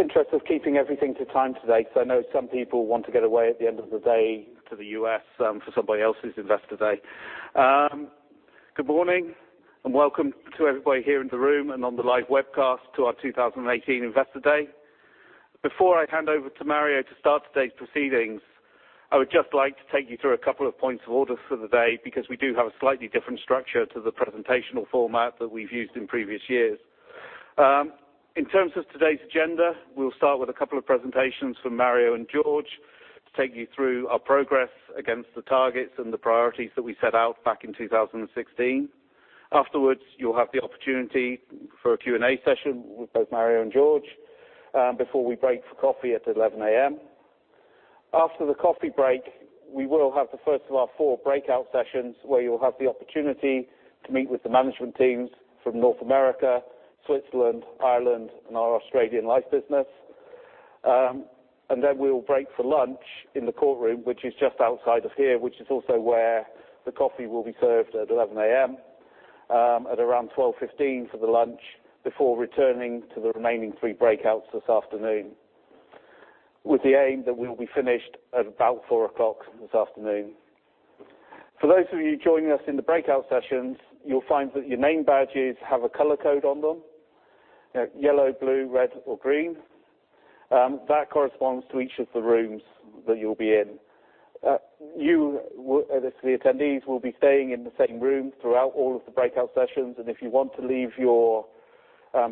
In the interest of keeping everything to time today, because I know some people want to get away at the end of the day to the U.S. for somebody else's investor day. Welcome to everybody here in the room and on the live webcast to our 2018 Investor Day. Before I hand over to Mario to start today's proceedings, I would just like to take you through a couple of points of order for the day, because we do have a slightly different structure to the presentational format that we've used in previous years. In terms of today's agenda, we'll start with a couple of presentations from Mario and George to take you through our progress against the targets and the priorities that we set out back in 2016. Afterwards, you'll have the opportunity for a Q&A session with both Mario and George before we break for coffee at 11:00 A.M. After the coffee break, we will have the first of our four breakout sessions, where you'll have the opportunity to meet with the management teams from North America, Switzerland, Ireland, and our Australian life business. Then we will break for lunch in the courtroom, which is just outside of here, which is also where the coffee will be served at 11:00 A.M., at around 12:15 for the lunch, before returning to the remaining three breakouts this afternoon, with the aim that we will be finished at about 4:00 P.M. this afternoon. For those of you joining us in the breakout sessions, you'll find that your name badges have a color code on them, yellow, blue, red, or green. That corresponds to each of the rooms that you'll be in. The attendees will be staying in the same room throughout all of the breakout sessions, and if you want to leave your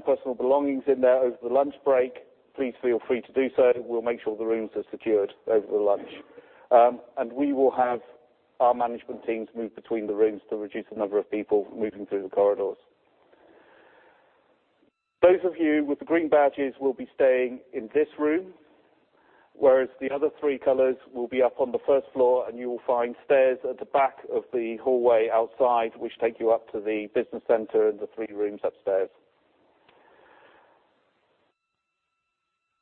personal belongings in there over the lunch break, please feel free to do so. We'll make sure the rooms are secured over the lunch. We will have our management teams move between the rooms to reduce the number of people moving through the corridors. Those of you with the green badges will be staying in this room, whereas the other three colors will be up on the first floor, and you will find stairs at the back of the hallway outside, which take you up to the business center and the three rooms upstairs.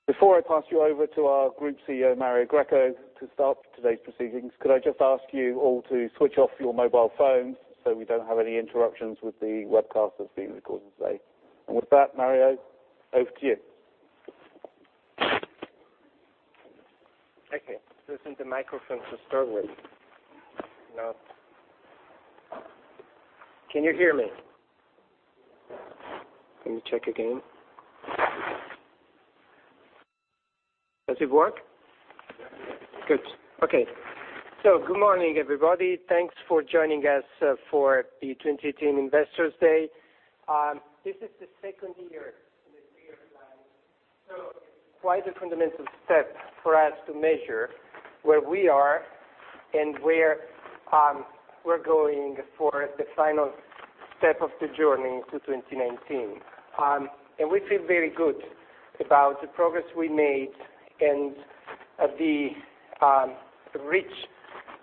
Before I pass you over to our Group CEO, Mario Greco, to start today's proceedings, could I just ask you all to switch off your mobile phones so we don't have any interruptions with the webcast that's being recorded today? With that, Mario, over to you. This is the microphone to start with. Can you hear me? Let me check again. Does it work? Yes. Good morning, everybody. Thanks for joining us for the 2018 Investors Day. This is the second year in the three-year plan. It's quite a fundamental step for us to measure where we are and where we're going for the final step of the journey to 2019. We feel very good about the progress we made and the reach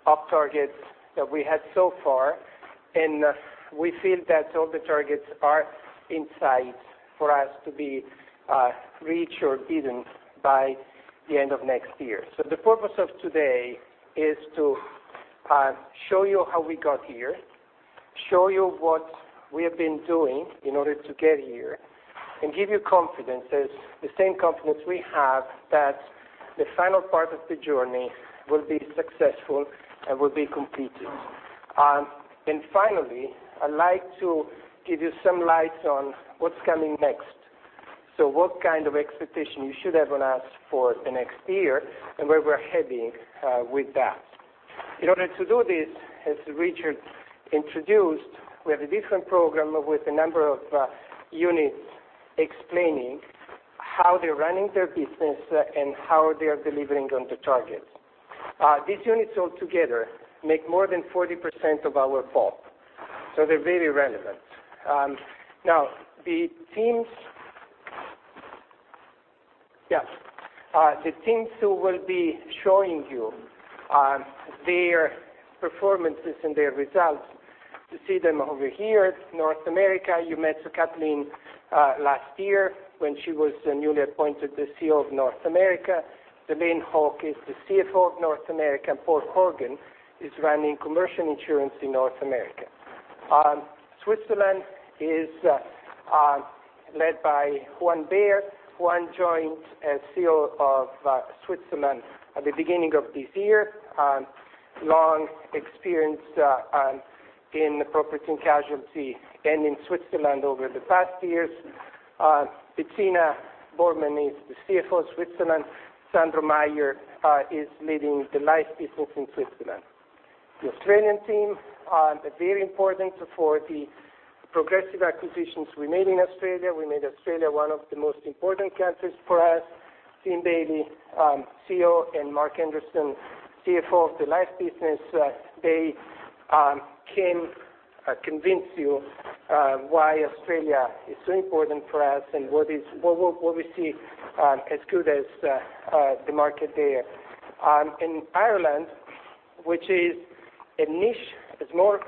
of targets that we had so far. We feel that all the targets are in sight for us to reach or beaten by the end of next year. The purpose of today is to show you how we got here, show you what we have been doing in order to get here, and give you confidence, the same confidence we have, that the final part of the journey will be successful and will be completed. Finally, I'd like to give you some light on what's coming next. What kind of expectation you should have on us for the next year and where we're heading with that. In order to do this, as Richard introduced, we have a different program with a number of units explaining how they're running their business and how they are delivering on the targets. These units all together make more than 40% of our BOP. They're very relevant. Now, the teams who will be showing you their performances and their results. You see them over here. North America, you met Kathleen last year when she was newly appointed the CEO of North America. Devin Hawk is the CFO of North America, and Paul Horgan is running commercial insurance in North America. Switzerland is led by Juan Beer. Juan joined as CEO of Switzerland at the beginning of this year. Long experience in property and casualty and in Switzerland over the past years. Bettina Bornmann is the CFO of Switzerland. Sandro Meyer is leading the life business in Switzerland. The Australian team are very important for the progressive acquisitions we made in Australia. We made Australia one of the most important countries for us. Tim Bailey, CEO, and Mark Anderson, CFO of the life business, they can convince you why Australia is so important for us and what we see as good as the market there. In Ireland, which is a niche. It's more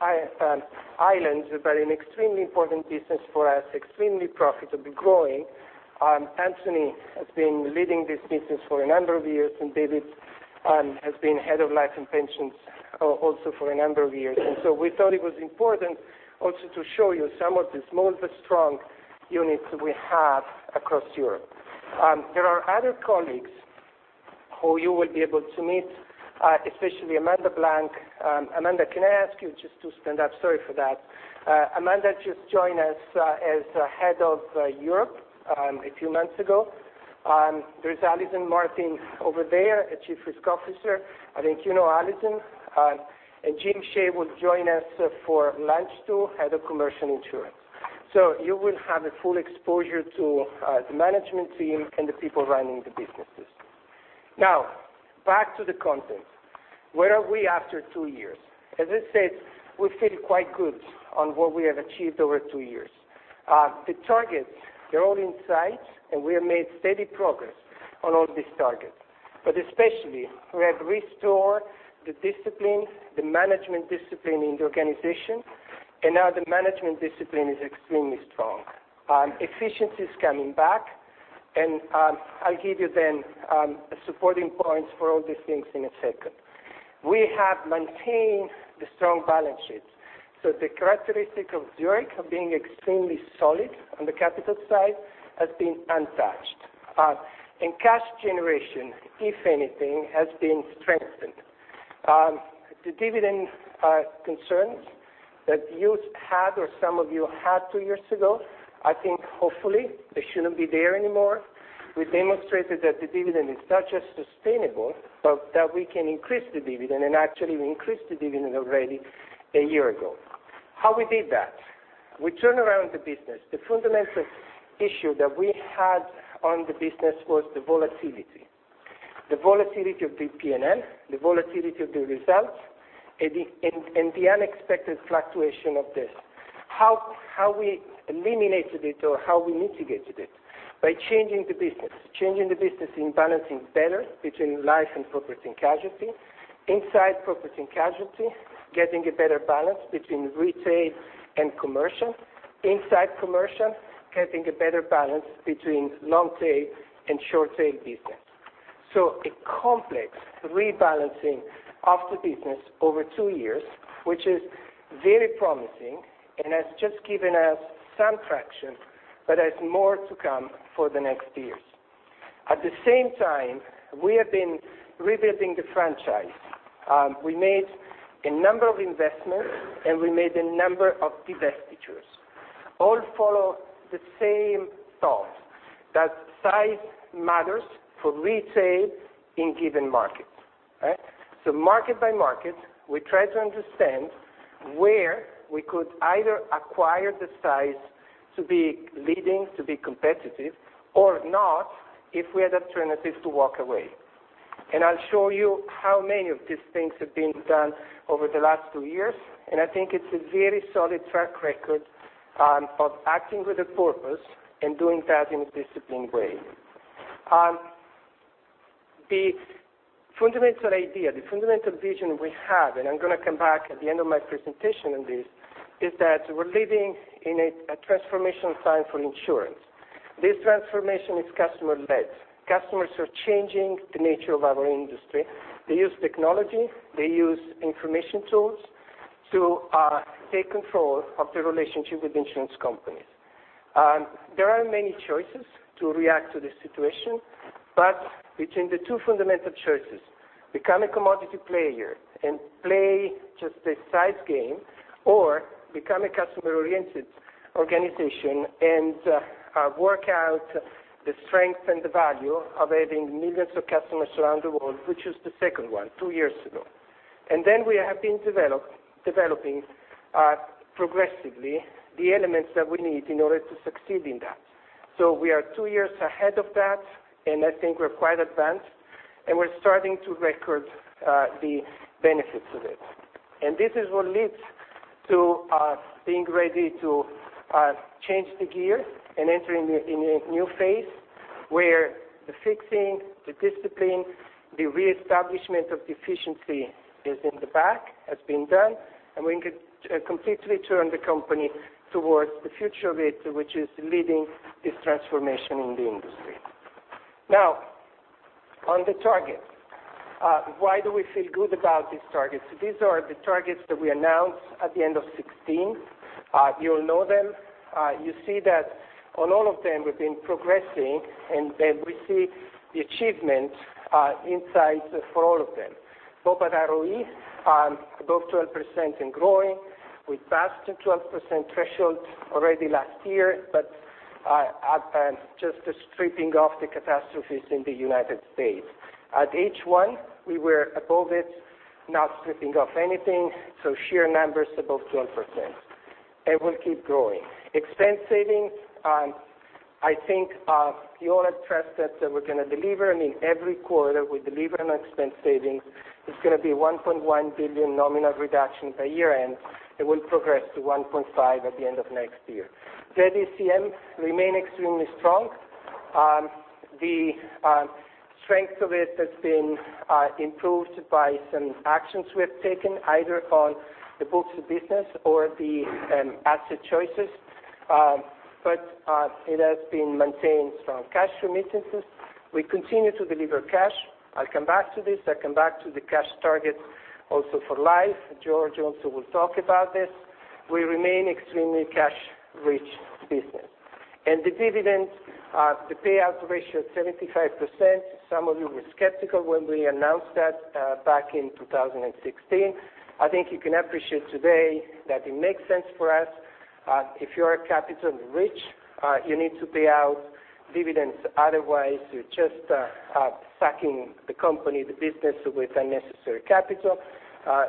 islands, but an extremely important business for us, extremely profitably growing. Anthony has been leading this business for a number of years, and David has been Head of Life and Pensions also for a number of years. We thought it was important also to show you some of the small but strong units that we have across Europe. There are other colleagues who you will be able to meet, especially Amanda Blanc. Amanda, can I ask you just to stand up? Sorry for that. Amanda just joined us as Head of Europe a few months ago. There is Alison Martin over there, a Chief Risk Officer. I think you know Alison. Jim Shea will join us for lunch too, Head of Commercial Insurance. You will have a full exposure to the management team and the people running the businesses. Back to the content. Where are we after two years? As I said, we feel quite good on what we have achieved over two years. The targets are all in sight, and we have made steady progress on all these targets. Especially, we have restored the discipline, the management discipline in the organization, and now the management discipline is extremely strong. Efficiency's coming back, and I'll give you then supporting points for all these things in a second. We have maintained the strong balance sheets. The characteristic of Zurich of being extremely solid on the capital side has been untouched. Cash generation, if anything, has been strengthened. The dividend concerns that you had, or some of you had two years ago, I think hopefully they shouldn't be there anymore. We demonstrated that the dividend is not just sustainable, but that we can increase the dividend, and actually we increased the dividend already a year ago. How we did that? We turned around the business. The fundamental issue that we had on the business was the volatility. The volatility of the P&L, the volatility of the results, and the unexpected fluctuation of this. How we eliminated it or how we mitigated it? By changing the business. Changing the business in balancing better between life and property and casualty. Inside property and casualty, getting a better balance between retail and commercial. Inside commercial, getting a better balance between long-tail and short-tail business. A complex rebalancing of the business over two years, which is very promising and has just given us some traction, but has more to come for the next years. At the same time, we have been rebuilding the franchise. We made a number of investments, and we made a number of divestitures. All follow the same thought, that size matters for retail in given markets. Market by market, we try to understand where we could either acquire the size to be leading, to be competitive, or not, if we had alternatives to walk away. I'll show you how many of these things have been done over the last two years, and I think it's a very solid track record of acting with a purpose and doing that in a disciplined way. The fundamental idea, the fundamental vision we have, and I'm going to come back at the end of my presentation on this, is that we're living in a transformation time for insurance. This transformation is customer led. Customers are changing the nature of our industry. They use technology, they use information tools to take control of their relationship with insurance companies. There are many choices to react to this situation. Between the two fundamental choices, become a commodity player and play just a size game, or become a customer-oriented organization and work out the strength and the value of having millions of customers around the world, we chose the second one two years ago. We have been developing progressively the elements that we need in order to succeed in that. We are two years ahead of that, and I think we're quite advanced, and we're starting to record the benefits of it. This is what leads to us being ready to change the gear and enter in a new phase where the fixing, the discipline, the reestablishment of efficiency is in the back, has been done, and we can completely turn the company towards the future of it, which is leading this transformation in the industry. Now, on the target. Why do we feel good about these targets? These are the targets that we announced at the end of 2016. You all know them. You see that on all of them, we've been progressing, and we see the achievement insights for all of them. BOPAT ROE, above 12% and growing. We passed the 12% threshold already last year, but just the stripping of the catastrophes in the U.S. At H1, we were above it, not stripping off anything, so sheer numbers above 12%. It will keep growing. Expense savings, I think you all trust us that we're going to deliver, and in every quarter we deliver on expense savings. It's going to be 1.1 billion nominal reduction by year-end. It will progress to 1.5 billion at the end of next year. Z-ECM remain extremely strong. The strength of it has been improved by some actions we have taken, either on the books of business or the asset choices. It has been maintained strong cash remittances. We continue to deliver cash. I'll come back to this. I'll come back to the cash target also for life. George also will talk about this. We remain extremely cash-rich business. The dividend, the payout ratio is 75%. Some of you were skeptical when we announced that back in 2016. I think you can appreciate today that it makes sense for us. If you are capital-rich, you need to pay out dividends. Otherwise, you're just sucking the company, the business, with unnecessary capital.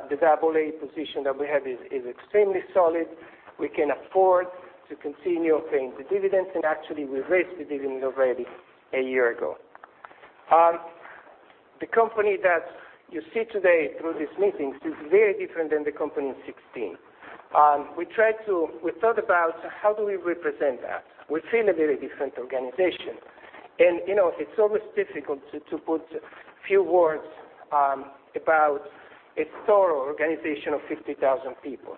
The AA position that we have is extremely solid. We can afford to continue paying the dividends, and actually, we raised the dividend already a year ago. The company that you see today through these meetings is very different than the company in 2016. We thought about how do we represent that. We feel a very different organization. It's always difficult to put a few words about a thorough organization of 50,000 people.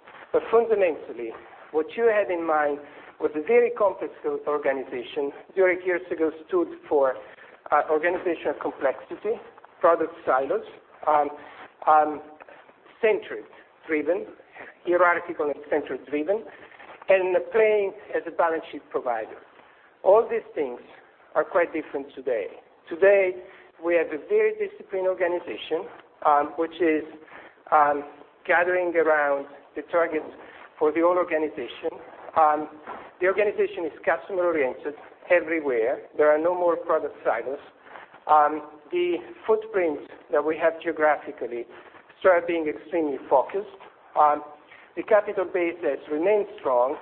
Fundamentally, what you had in mind was a very complex organization. Zurich years ago stood for organization of complexity, product silos, hierarchically center driven, and playing as a balance sheet provider. All these things are quite different today. Today, we have a very disciplined organization, which is gathering around the targets for the whole organization. The organization is customer-oriented everywhere. There are no more product silos. The footprints that we have geographically started being extremely focused. The capital base has remained strong,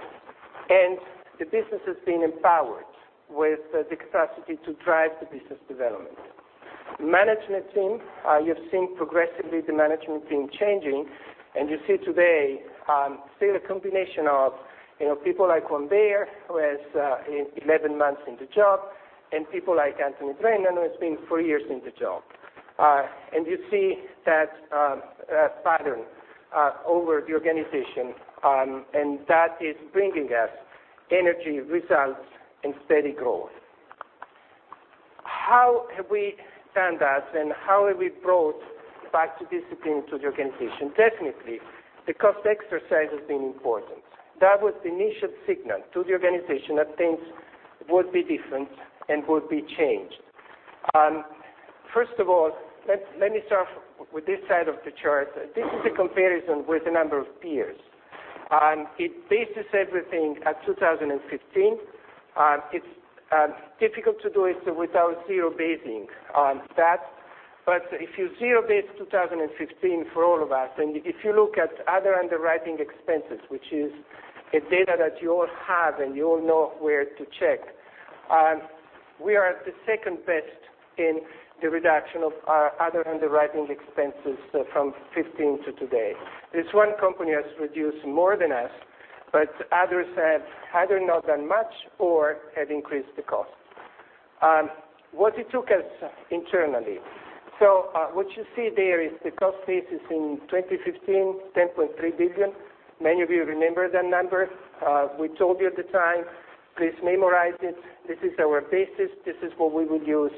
and the business has been empowered with the capacity to drive the business development. Management team. You have seen progressively the management team changing, you see today still a combination of people like Juan Beer, who has 11 months in the job, and people like Anthony Drennan, who has been four years in the job. You see that pattern over the organization, and that is bringing us energy, results, and steady growth. How have we done that, and how have we brought back discipline to the organization? Technically, the cost exercise has been important. That was the initial signal to the organization that things would be different and would be changed. First of all, let me start with this side of the chart. This is a comparison with a number of peers. It bases everything at 2015. It's difficult to do it without zero basing on that. If you zero base 2015 for all of us, and if you look at other underwriting expenses, which is a data that you all have and you all know where to check, we are at the second best in the reduction of our other underwriting expenses from 2015 to today. This one company has reduced more than us, but others have either not done much or have increased the cost. What it took us internally. What you see there is the cost basis in 2015, 10.3 billion. Many of you remember that number. We told you at the time, please memorize it. This is our basis. This is what we will use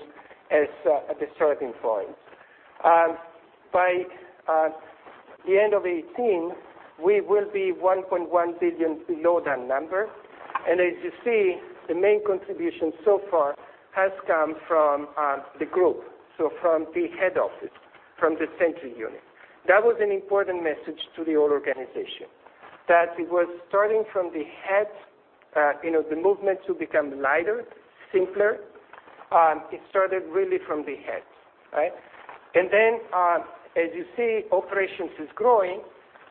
as a starting point. By the end of 2018, we will be 1.1 billion below that number. As you see, the main contribution so far has come from the group, so from the head office, from the central unit. That was an important message to the whole organization, that it was starting from the head. The movement to become lighter, simpler, it started really from the head. Right? Then, as you see, operations is growing.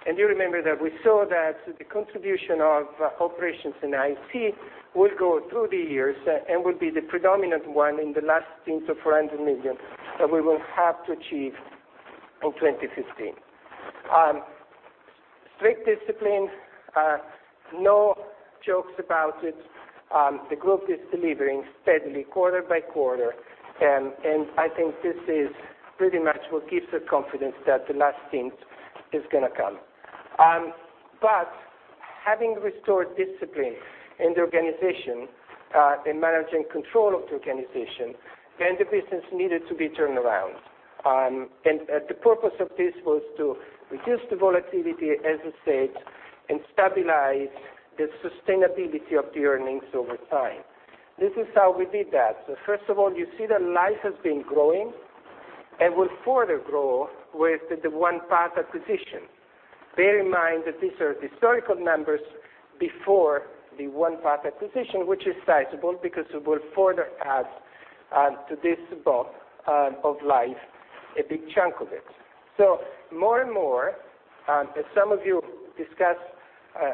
You remember that we saw that the contribution of operations in IT will go through the years and will be the predominant one and the last thing to that we will have to achieve in 2019. Strict discipline. No jokes about it. The group is delivering steadily quarter by quarter, and I think this is pretty much what gives the confidence that the last cent is going to come. Having restored discipline in the organization, in managing control of the organization, then the business needed to be turned around. The purpose of this was to reduce the volatility, as I said, and stabilize the sustainability of the earnings over time. This is how we did that. First of all, you see that life has been growing and will further grow with the OnePath acquisition. Bear in mind that these are historical numbers before the OnePath acquisition, which is sizable because it will further add to this bulk of life, a big chunk of it. More and more, as some of you discussed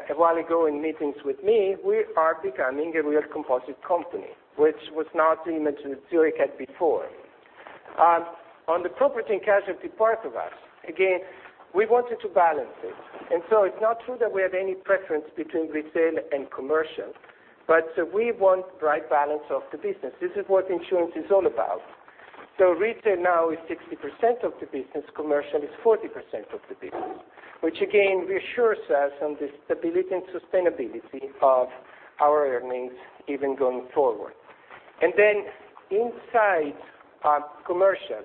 a while ago in meetings with me, we are becoming a real composite company, which was not the image that Zurich had before. On the property and casualty part of us, again, we wanted to balance it. It's not true that we have any preference between retail and commercial, but we want right balance of the business. This is what insurance is all about. Retail now is 60% of the business, commercial is 40% of the business. Which again, reassures us on the stability and sustainability of our earnings even going forward. Inside commercial,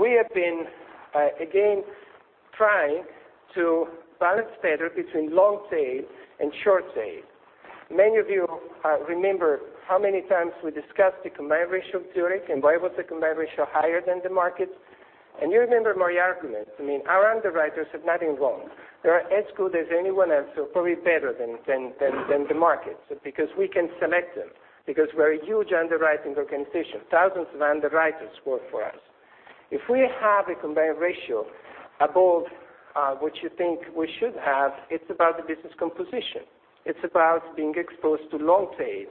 we have been, again, trying to balance better between long tail and short tail. Many of you remember how many times we discussed the combined ratio of Zurich, why was the combined ratio higher than the market. You remember my argument. I mean, our underwriters have nothing wrong. They are as good as anyone else, or probably better than the market, because we can select them, because we're a huge underwriting organization. Thousands of underwriters work for us. If we have a combined ratio above what you think we should have, it's about the business composition. It's about being exposed to long tail.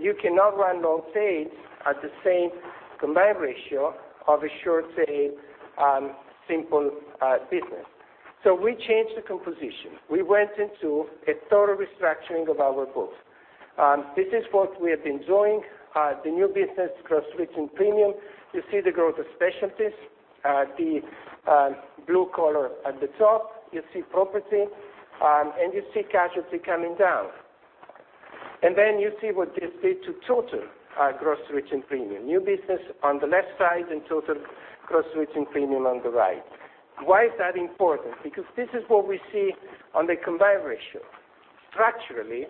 You cannot run long tail at the same combined ratio of a short tail simple business. We changed the composition. We went into a total restructuring of our book. This is what we have been doing. The new business gross written premium. You see the growth of specialties, the blue color at the top. You see property, and you see casualty coming down. You see what this did to total our gross written premium. New business on the left side, and total gross written premium on the right. Why is that important? Because this is what we see on the combined ratio. Structurally,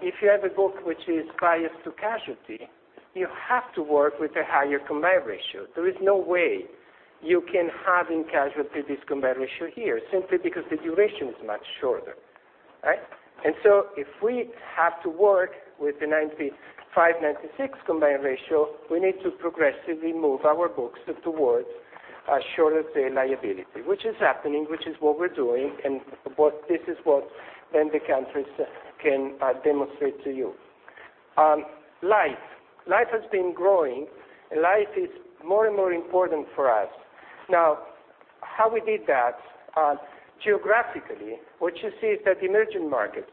if you have a book which is biased to casualty, you have to work with a higher combined ratio. There is no way you can have in casualty this combined ratio here, simply because the duration is much shorter. Right? If we have to work with the 95/96 combined ratio, we need to progressively move our books towards a shorter tail liability, which is happening, which is what we're doing, this is what then the countries can demonstrate to you. Life. Life has been growing. Life is more and more important for us. Now, how we did that? Geographically, what you see is that emerging markets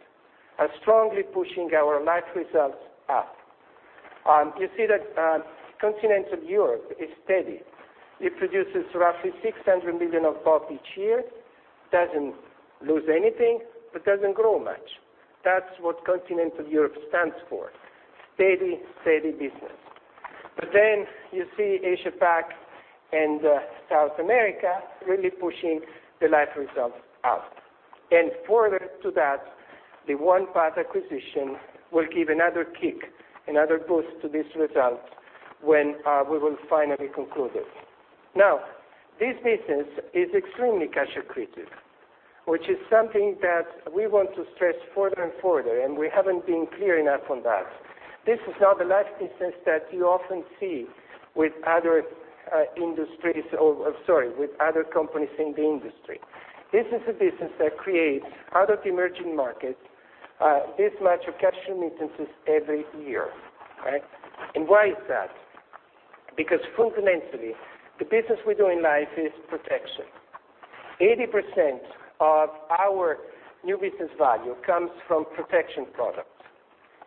are strongly pushing our life results up. You see that continental Europe is steady. It produces roughly 600 million of profit each year, doesn't lose anything, but doesn't grow much. That's what continental Europe stands for. Steady business. You see Asia Pac and South America really pushing the life results up. Further to that, the OnePath acquisition will give another kick, another boost to this result when we will finally conclude it. Now, this business is extremely cash accretive, which is something that we want to stress further and further, and we haven't been clear enough on that. This is not the life business that you often see with other companies in the industry. This is a business that creates out of emerging markets this much of cash remittances every year. Right? Why is that? Because fundamentally, the business we do in life is protection. 80% of our new business value comes from protection products,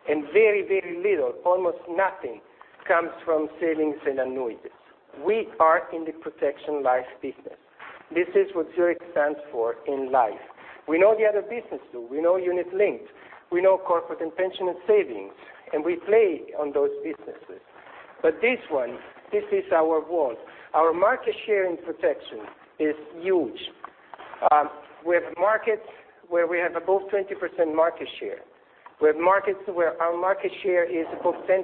and very little, almost nothing, comes from savings and annuities. We are in the protection life business. This is what Zurich stands for in life. We know the other business too. We know unit linked. We know corporate pension and savings, we play on those businesses. This one, this is our world. Our market share in protection is huge. We have markets where we have above 20% market share. We have markets where our market share is above 10%.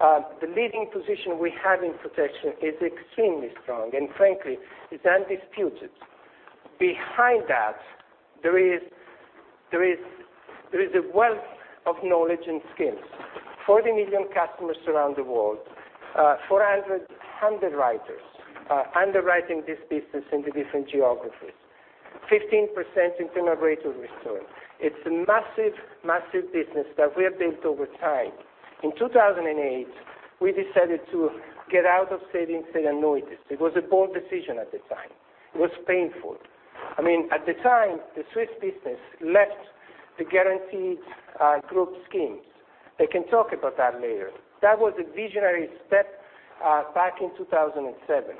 The leading position we have in protection is extremely strong, frankly, is undisputed. Behind that, there is a wealth of knowledge and skills. 40 million customers around the world. 400 underwriters are underwriting this business in the different geographies. 15% [integrated reserve]. It's a massive business that we have built over time. In 2008, we decided to get out of savings and annuities. It was a bold decision at the time. It was painful. I mean, at the time, the Swiss business left the guaranteed group schemes. I can talk about that later. That was a visionary step back in 2007,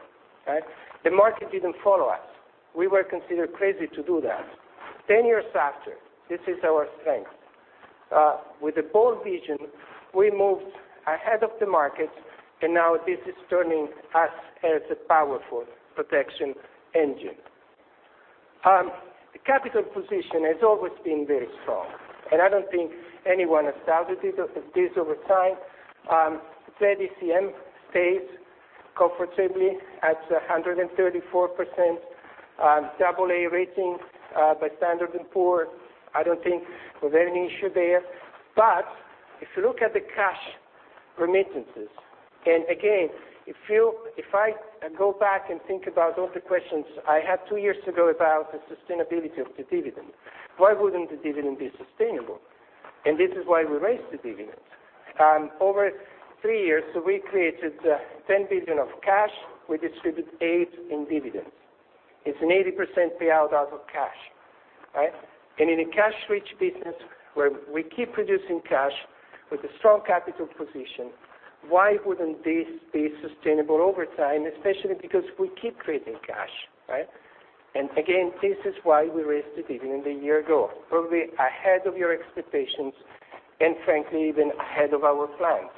right? The market didn't follow us. We were considered crazy to do that. 10 years after, this is our strength. With a bold vision, we moved ahead of the market, now this is turning us as a powerful protection engine. The capital position has always been very strong, I don't think anyone has doubted this over time. The CET1 stays comfortably at 134%, AA rating by Standard & Poor's. I don't think there was any issue there. If you look at the cash remittances, again, if I go back and think about all the questions I had 2 years ago about the sustainability of the dividend, why wouldn't the dividend be sustainable? This is why we raised the dividends. Over 3 years, we created 10 billion of cash. We distributed 8 billion in dividends. It's an 80% payout out of cash. Right? In a cash-rich business where we keep producing cash with a strong capital position, why wouldn't this be sustainable over time, especially because we keep creating cash, right? Again, this is why we raised the dividend a year ago, probably ahead of your expectations, frankly, even ahead of our plans.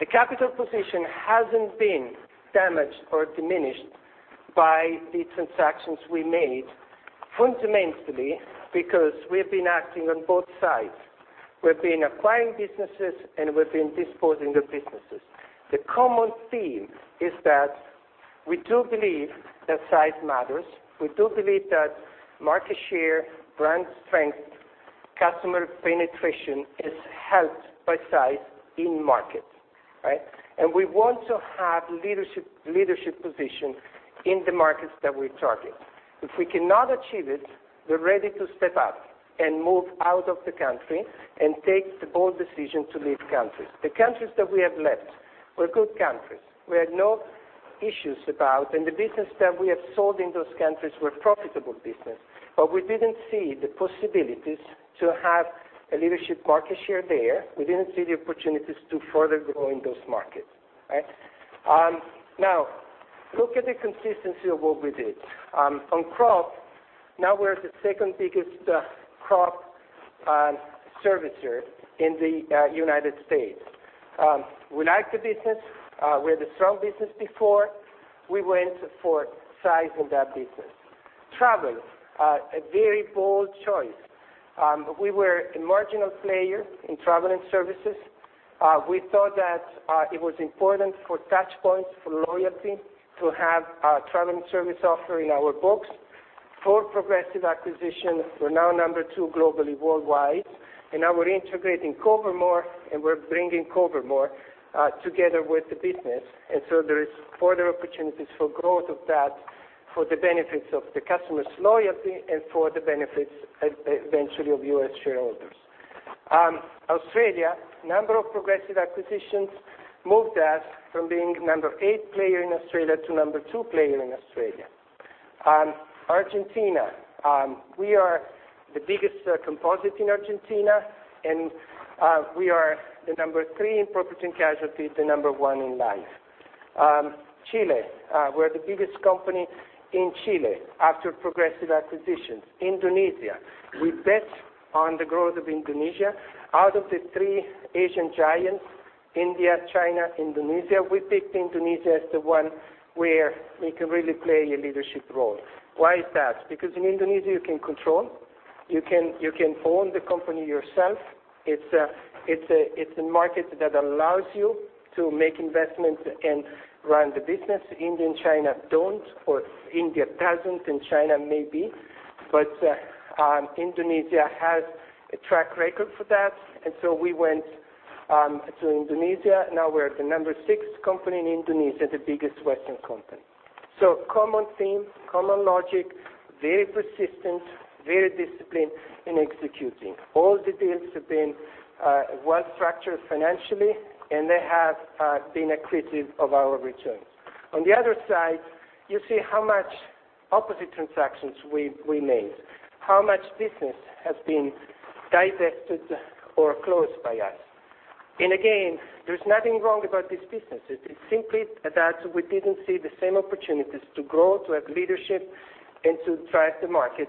The capital position hasn't been damaged or diminished by the transactions we made, fundamentally because we've been acting on both sides. We've been acquiring businesses, we've been disposing of businesses. The common theme is that we do believe that size matters. We do believe that market share, brand strength, customer penetration is helped by size in market. Right? We want to have leadership position in the markets that we target. If we cannot achieve it, we're ready to step up, move out of the country, take the bold decision to leave countries. The countries that we have left were good countries. We had no issues about, the business that we have sold in those countries were profitable business, we didn't see the possibilities to have a leadership market share there. We didn't see the opportunities to further grow in those markets. Right? Now, look at the consistency of what we did. On crop, now we're the 2nd biggest crop servicer in the United States. We like the business. We had a strong business before. We went for size in that business. Travel, a very bold choice. We were a marginal player in travel and services. We thought that it was important for touch points for loyalty to have a travel and service offer in our books. Four progressive acquisitions. We're now number two globally worldwide, and now we're integrating Cover-More, and we're bringing Cover-More together with the business. There is further opportunities for growth of that for the benefits of the customers' loyalty and for the benefits, eventually, of U.S. shareholders. Australia, a number of progressive acquisitions moved us from being number eight player in Australia to number two player in Australia. Argentina, we are the biggest composite in Argentina, and we are the number three in property and casualty, the number one in life. Chile, we're the biggest company in Chile after progressive acquisitions. Indonesia, we bet on the growth of Indonesia. Out of the three Asian giants, India, China, Indonesia, we picked Indonesia as the one where we can really play a leadership role. Why is that? Because in Indonesia, you can control. You can own the company yourself. It's a market that allows you to make investments and run the business. India and China don't, or India doesn't, and China maybe. Indonesia has a track record for that, we went to Indonesia. Now we're the number six company in Indonesia, the biggest Western company. Common theme, common logic, very persistent, very disciplined in executing. All the deals have been well-structured financially, and they have been accretive of our returns. On the other side, you see how much opposite transactions we made, how much business has been divested or closed by us. There's nothing wrong about this business. It's simply that we didn't see the same opportunities to grow, to have leadership, and to drive the market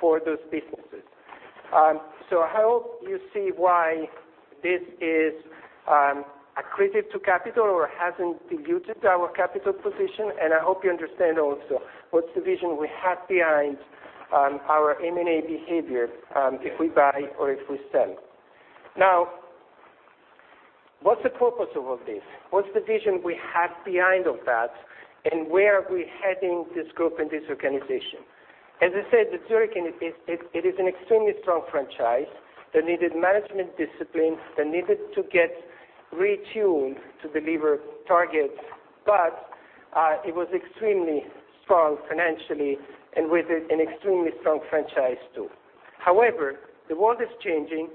for those businesses. I hope you see why this is accretive to capital or hasn't diluted our capital position, and I hope you understand also what's the vision we have behind our M&A behavior, if we buy or if we sell. What's the purpose of all this? What's the vision we have behind all that, and where are we heading this group and this organization? As I said, Zurich, it is an extremely strong franchise that needed management discipline, that needed to get retuned to deliver targets, but it was extremely strong financially and with an extremely strong franchise, too. The world is changing.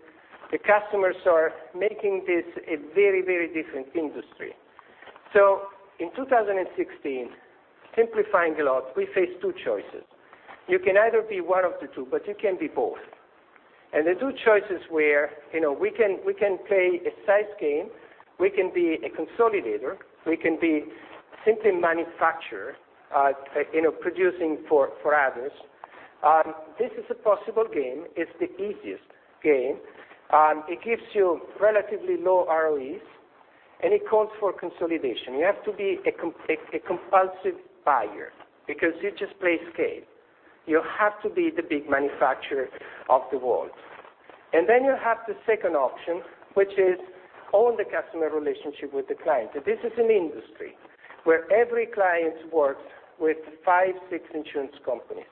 The customers are making this a very different industry. In 2016, simplifying a lot, we face two choices. You can either be one of the two, but you can't be both. The two choices where we can play a size game, we can be a consolidator, we can be simply manufacturer, producing for others. This is a possible game. It's the easiest game. It gives you relatively low ROEs, and it calls for consolidation. You have to be a compulsive buyer because you just play scale. You have to be the big manufacturer of the world. Then you have the second option, which is own the customer relationship with the client. This is an industry where every client works with five, six insurance companies.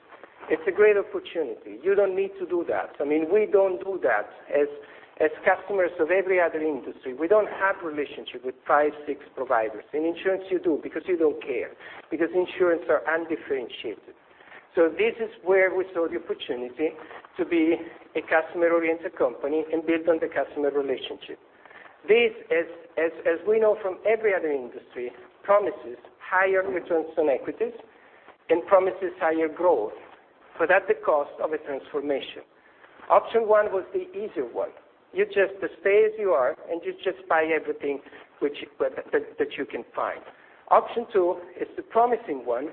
It's a great opportunity. You don't need to do that. We don't do that as customers of every other industry. We don't have relationship with five, six providers. In insurance, you do because you don't change because insurance are undifferentiated. This is where we saw the opportunity to be a customer-oriented company and build on the customer relationship. This, as we know from every other industry, promises higher returns on equities and promises higher growth, but at the cost of a transformation. Option one was the easier one. You just stay as you are, and you just buy everything that you can find. Option two is the promising one,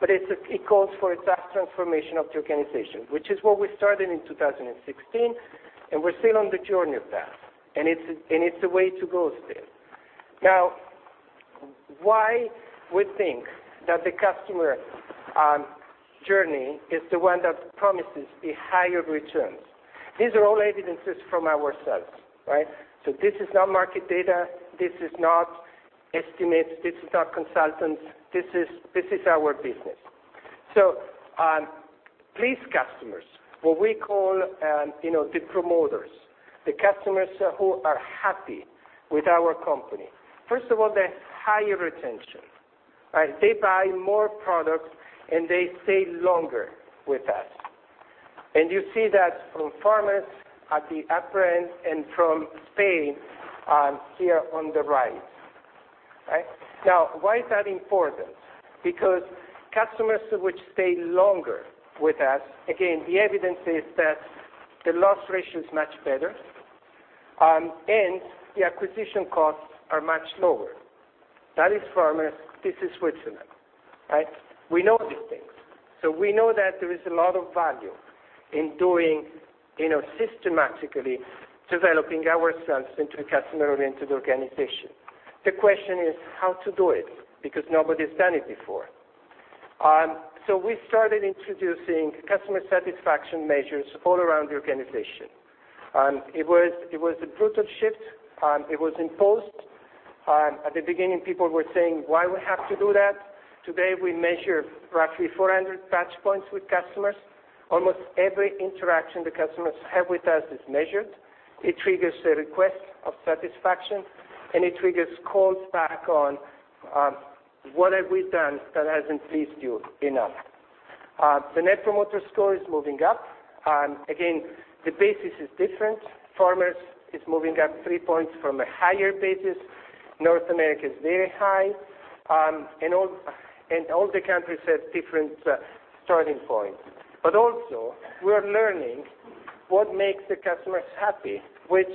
but it calls for a vast transformation of the organization, which is what we started in 2016, and we're still on the journey of that. It's a way to go still. Why we think that the customer journey is the one that promises the higher returns? These are all evidences from ourselves. This is not market data. This is not estimates. This is not consultants. This is our business. Pleased customers, what we call the promoters, the customers who are happy with our company. First of all, they have higher retention. They buy more products, and they stay longer with us. You see that from Farmers at the upper end and from Spain here on the right. Why is that important? Because customers which stay longer with us, again, the evidence is that the loss ratio is much better, and the acquisition costs are much lower. That is Farmers. This is Switzerland. We know these things. We know that there is a lot of value in systematically developing ourselves into a customer-oriented organization. The question is how to do it, because nobody's done it before. We started introducing customer satisfaction measures all around the organization. It was a brutal shift. It was imposed. At the beginning, people were saying, "Why we have to do that?" Today, we measure roughly 400 touchpoints with customers. Almost every interaction the customers have with us is measured. It triggers a request of satisfaction, and it triggers calls back on what have we done that hasn't pleased you enough. The Net Promoter Score is moving up. Again, the basis is different. Farmers is moving up three points from a higher basis. North America is very high. All the countries have different starting points. Also, we are learning what makes the customers happy, which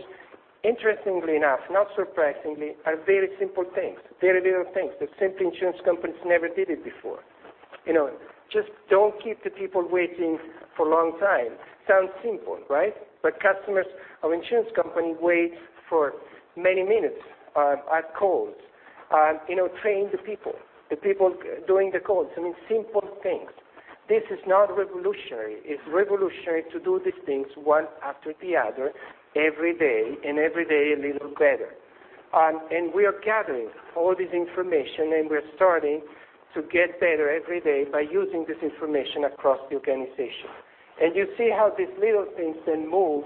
interestingly enough, not surprisingly, are very simple things, very little things that simply insurance company never did it before. Just don't keep the people waiting for a long time. Sounds simple, right? But customers of insurance company wait for many minutes at calls. Train the people, the people doing the calls. I mean, simple things. This is not revolutionary. It's revolutionary to do these things one after the other every day and every day a little better. We are gathering all this information, and we're starting to get better every day by using this information across the organization. You see how these little things then move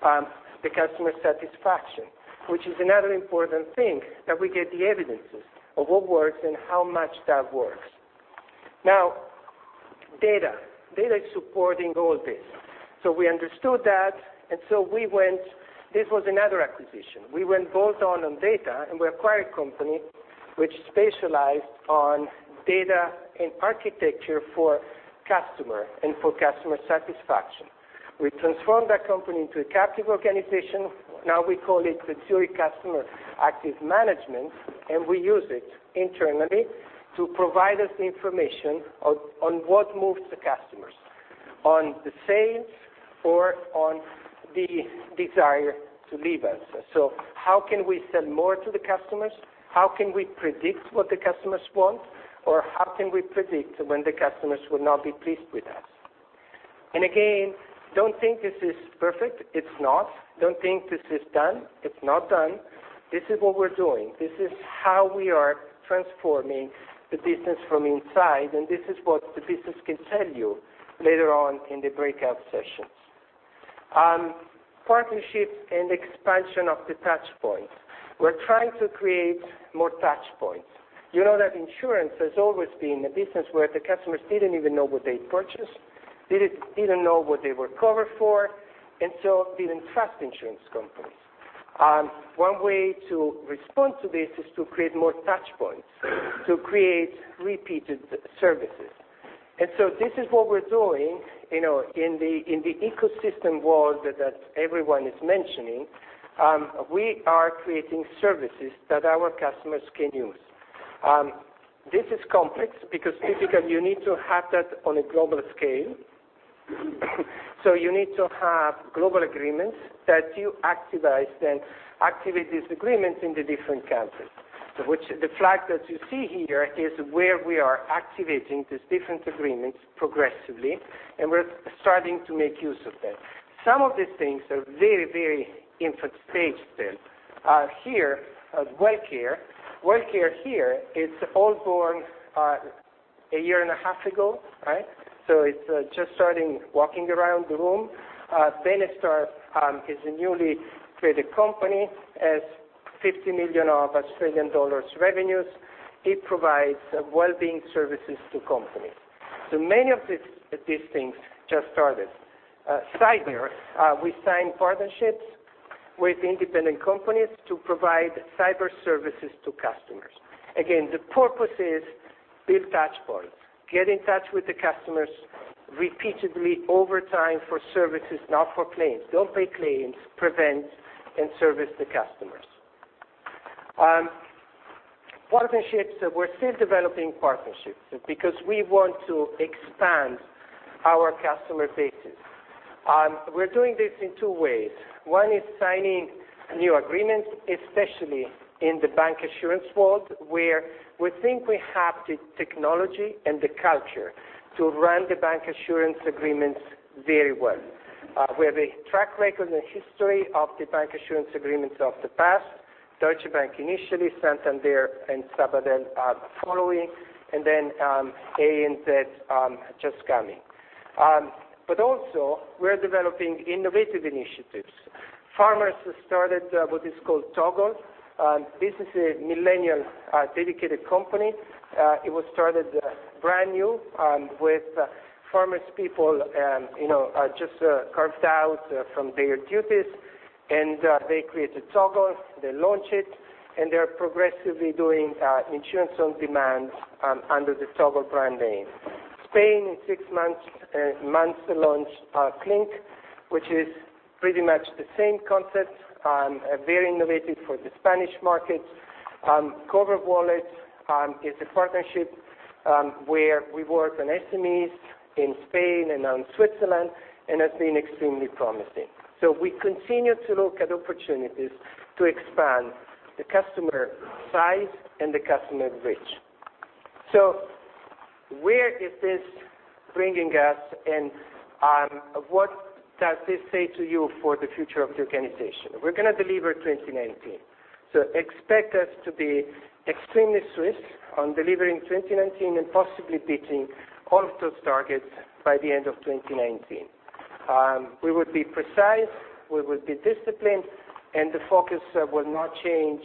the customer satisfaction, which is another important thing that we get the evidences of what works and how much that works. Data. Data is supporting all this. We understood that, we went This was another acquisition. We went bolt-on on data, we acquired a company which specialized on data and architecture for customer and for customer satisfaction. We transformed that company into a captive organization. We call it the Zurich Customer Active Management. We use it internally to provide us information on what moves the customers, on the sales or on the desire to leave us. How can we sell more to the customers? How can we predict what the customers want? How can we predict when the customers will not be pleased with us? Again, don't think this is perfect. It's not. Don't think this is done. It's not done. This is what we're doing. This is how we are transforming the business from inside, and this is what the business can tell you later on in the breakout sessions. Partnership and expansion of the touchpoints. We're trying to create more touchpoints. You know that insurance has always been a business where the customers didn't even know what they purchased, didn't know what they were covered for, didn't trust insurance companies. One way to respond to this is to create more touchpoints, to create repeated services. This is what we're doing in the ecosystem world that everyone is mentioning. We are creating services that our customers can use. This is complex because typically, you need to have that on a global scale. You need to have global agreements that you activate these agreements in the different countries. The flag that you see here is where we are activating these different agreements progressively. We're starting to make use of them. Some of these things are very, very infant stage still. Here, WellCare. WellCare here is all born a year and a half ago. It's just starting, walking around the room. Benestar is a newly created company, has 50 million revenues. It provides well-being services to companies. Many of these things just started. CYE, we signed partnerships with independent companies to provide cyber services to customers. Again, the purpose is build touch points, get in touch with the customers repeatedly over time for services, not for claims. Don't pay claims, prevent and service the customers. Partnerships. We're still developing partnerships because we want to expand our customer bases. We're doing this in two ways. One is signing new agreements, especially in the bancassurance world, where we think we have the technology and the culture to run the bancassurance agreements very well. We have a track record and history of the bancassurance agreements of the past. Deutsche Bank initially, Santander and Sabadell are following. ANZ just coming. Also, we're developing innovative initiatives. Farmers has started what is called Toggle. This is a millennial dedicated company. It was started brand new with Farmers people, just carved out from their duties. They created Toggle. They launch it. They're progressively doing insurance on demand under the Toggle brand name. Spain, in six months, launched Klinc, which is pretty much the same concept. Very innovative for the Spanish market. CoverWallet is a partnership where we work on SMEs in Spain and on Switzerland and has been extremely promising. We continue to look at opportunities to expand the customer size and the customer reach. Where is this bringing us? What does this say to you for the future of the organization? We're going to deliver 2019. Expect us to be extremely Swiss on delivering 2019 and possibly beating all of those targets by the end of 2019. We will be precise, we will be disciplined, and the focus will not change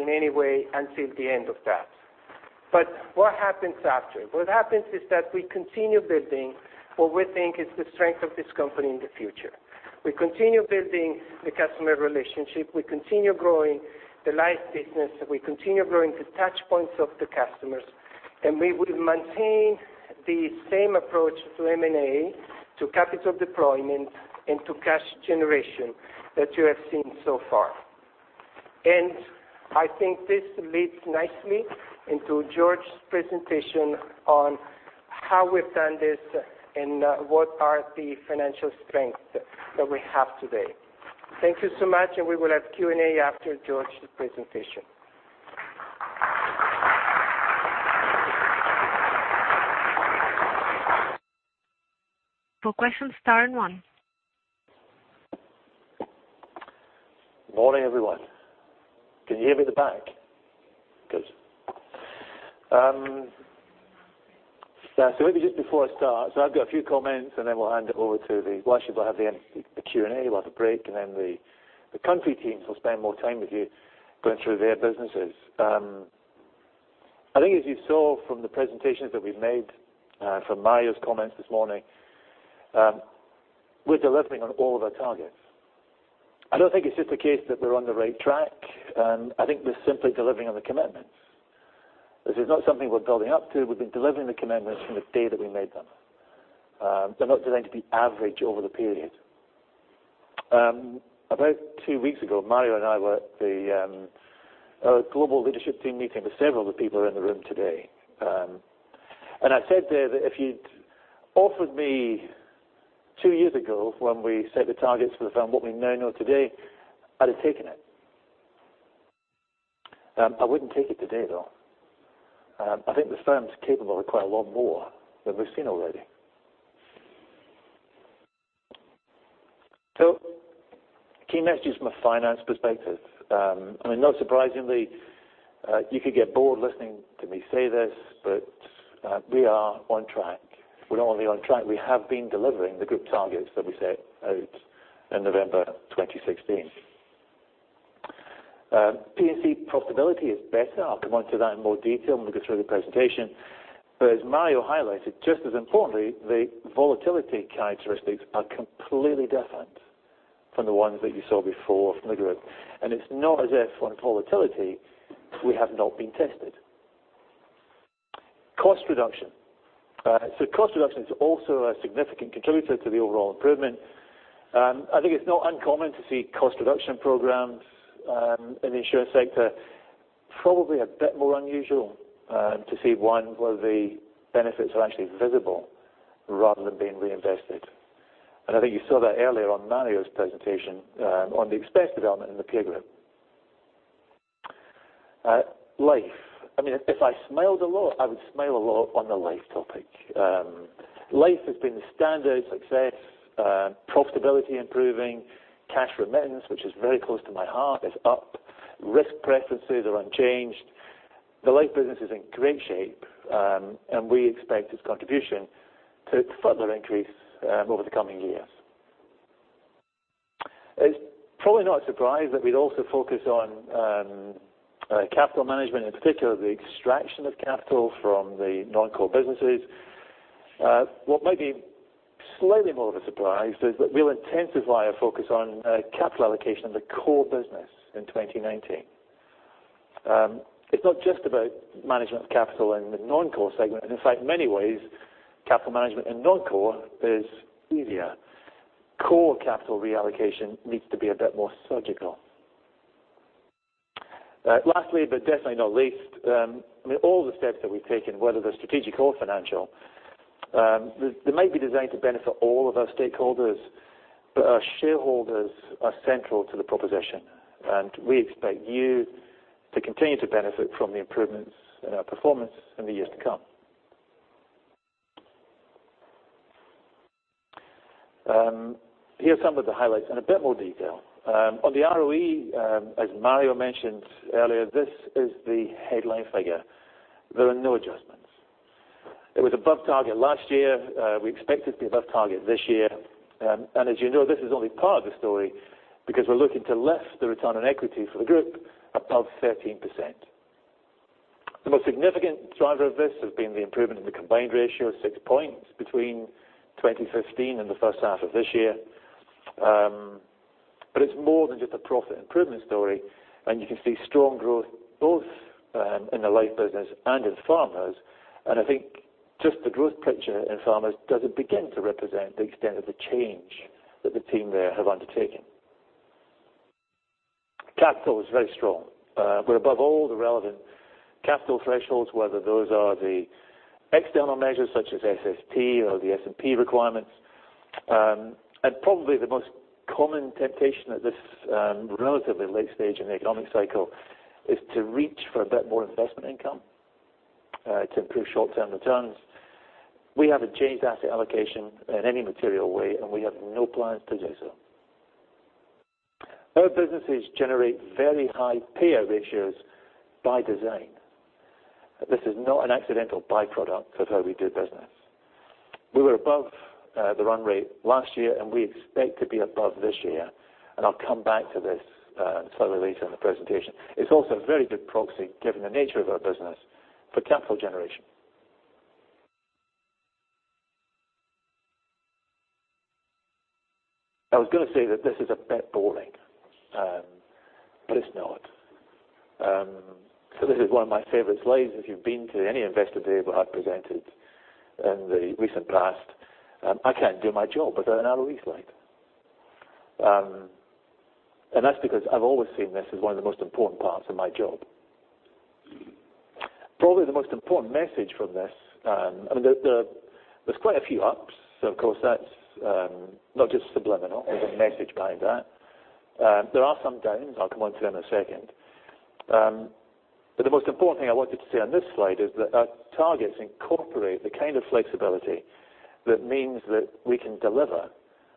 in any way until the end of that. What happens after? What happens is that we continue building what we think is the strength of this company in the future. We continue building the customer relationship. We continue growing the life business, and we continue growing the touch points of the customers. We will maintain the same approach to M&A, to capital deployment, and to cash generation that you have seen so far. I think this leads nicely into George's presentation on how we've done this and what are the financial strengths that we have today. Thank you so much, and we will have Q&A after George's presentation. For questions, star and one. Morning, everyone. Can you hear me at the back? Good. Maybe just before I start, I've got a few comments, and then we'll hand it over. Well, actually, we'll have the Q&A, we'll have a break, and then the country teams will spend more time with you going through their businesses. I think as you saw from the presentations that we've made, from Mario's comments this morning, we're delivering on all of our targets. I don't think it's just a case that we're on the right track. I think we're simply delivering on the commitments. This is not something we're building up to. We've been delivering the commitments from the day that we made them. They're not designed to be average over the period. About two weeks ago, Mario and I were at the global leadership team meeting with several of the people in the room today. I said there that if you'd offered me two years ago when we set the targets for the firm what we now know today, I'd have taken it. I wouldn't take it today, though. I think this firm's capable of quite a lot more than we've seen already. Key messages from a finance perspective. I mean, not surprisingly, you could get bored listening to me say this, we are on track. We're not only on track, we have been delivering the group targets that we set out in November 2016. P&C profitability is better. I'll come onto that in more detail when we go through the presentation. As Mario highlighted, just as importantly, the volatility characteristics are completely different from the ones that you saw before from the group. It's not as if on volatility, we have not been tested. Cost reduction is also a significant contributor to the overall improvement. I think it's not uncommon to see cost reduction programs in the insurance sector. Probably a bit more unusual to see one where the benefits are actually visible rather than being reinvested. I think you saw that earlier on Mario's presentation on the expense development in the peer group. Life. I mean, if I smiled a lot, I would smile a lot on the life topic. Life has been a standout success. Profitability improving. Cash remittance, which is very close to my heart, is up. Risk preferences are unchanged. The life business is in great shape, and we expect its contribution to further increase over the coming years. It's probably not a surprise that we'd also focus on capital management, in particular the extraction of capital from the non-core businesses. What may be slightly more of a surprise is that we'll intensify our focus on capital allocation in the core business in 2019. It's not just about management of capital in the non-core segment, and in fact, in many ways, capital management in non-core is easier. Core capital reallocation needs to be a bit more surgical. Lastly, but definitely not least, all the steps that we've taken, whether they're strategic or financial, they might be designed to benefit all of our stakeholders, but our shareholders are central to the proposition, and we expect you to continue to benefit from the improvements in our performance in the years to come. Here are some of the highlights in a bit more detail. On the ROE, as Mario mentioned earlier, this is the headline figure. There are no adjustments. It was above target last year. We expect it to be above target this year. As you know, this is only part of the story because we're looking to lift the return on equity for the group above 13%. The most significant driver of this has been the improvement in the combined ratio of six points between 2015 and the first half of this year. It's more than just a profit improvement story, and you can see strong growth both in the life business and in Farmers. I think just the growth picture in Farmers doesn't begin to represent the extent of the change that the team there have undertaken. Capital is very strong. We're above all the relevant capital thresholds, whether those are the external measures such as SST or the S&P requirements. Probably the most common temptation at this relatively late stage in the economic cycle is to reach for a bit more investment income to improve short-term returns. We haven't changed asset allocation in any material way, and we have no plans to do so. Our businesses generate very high payout ratios by design. This is not an accidental by-product of how we do business. We were above the run rate last year, and we expect to be above this year, and I'll come back to this slightly later in the presentation. It's also a very good proxy, given the nature of our business, for capital generation. I was going to say that this is a bit boring, but it's not. This is one of my favorite slides. If you've been to any investor day where I've presented in the recent past, I can't do my job without an ROE slide. That's because I've always seen this as one of the most important parts of my job. Probably the most important message from this. There's quite a few ups, of course, that's not just subliminal. There's a message behind that. There are some downs. I'll come onto in a second. The most important thing I wanted to say on this slide is that our targets incorporate the kind of flexibility that means that we can deliver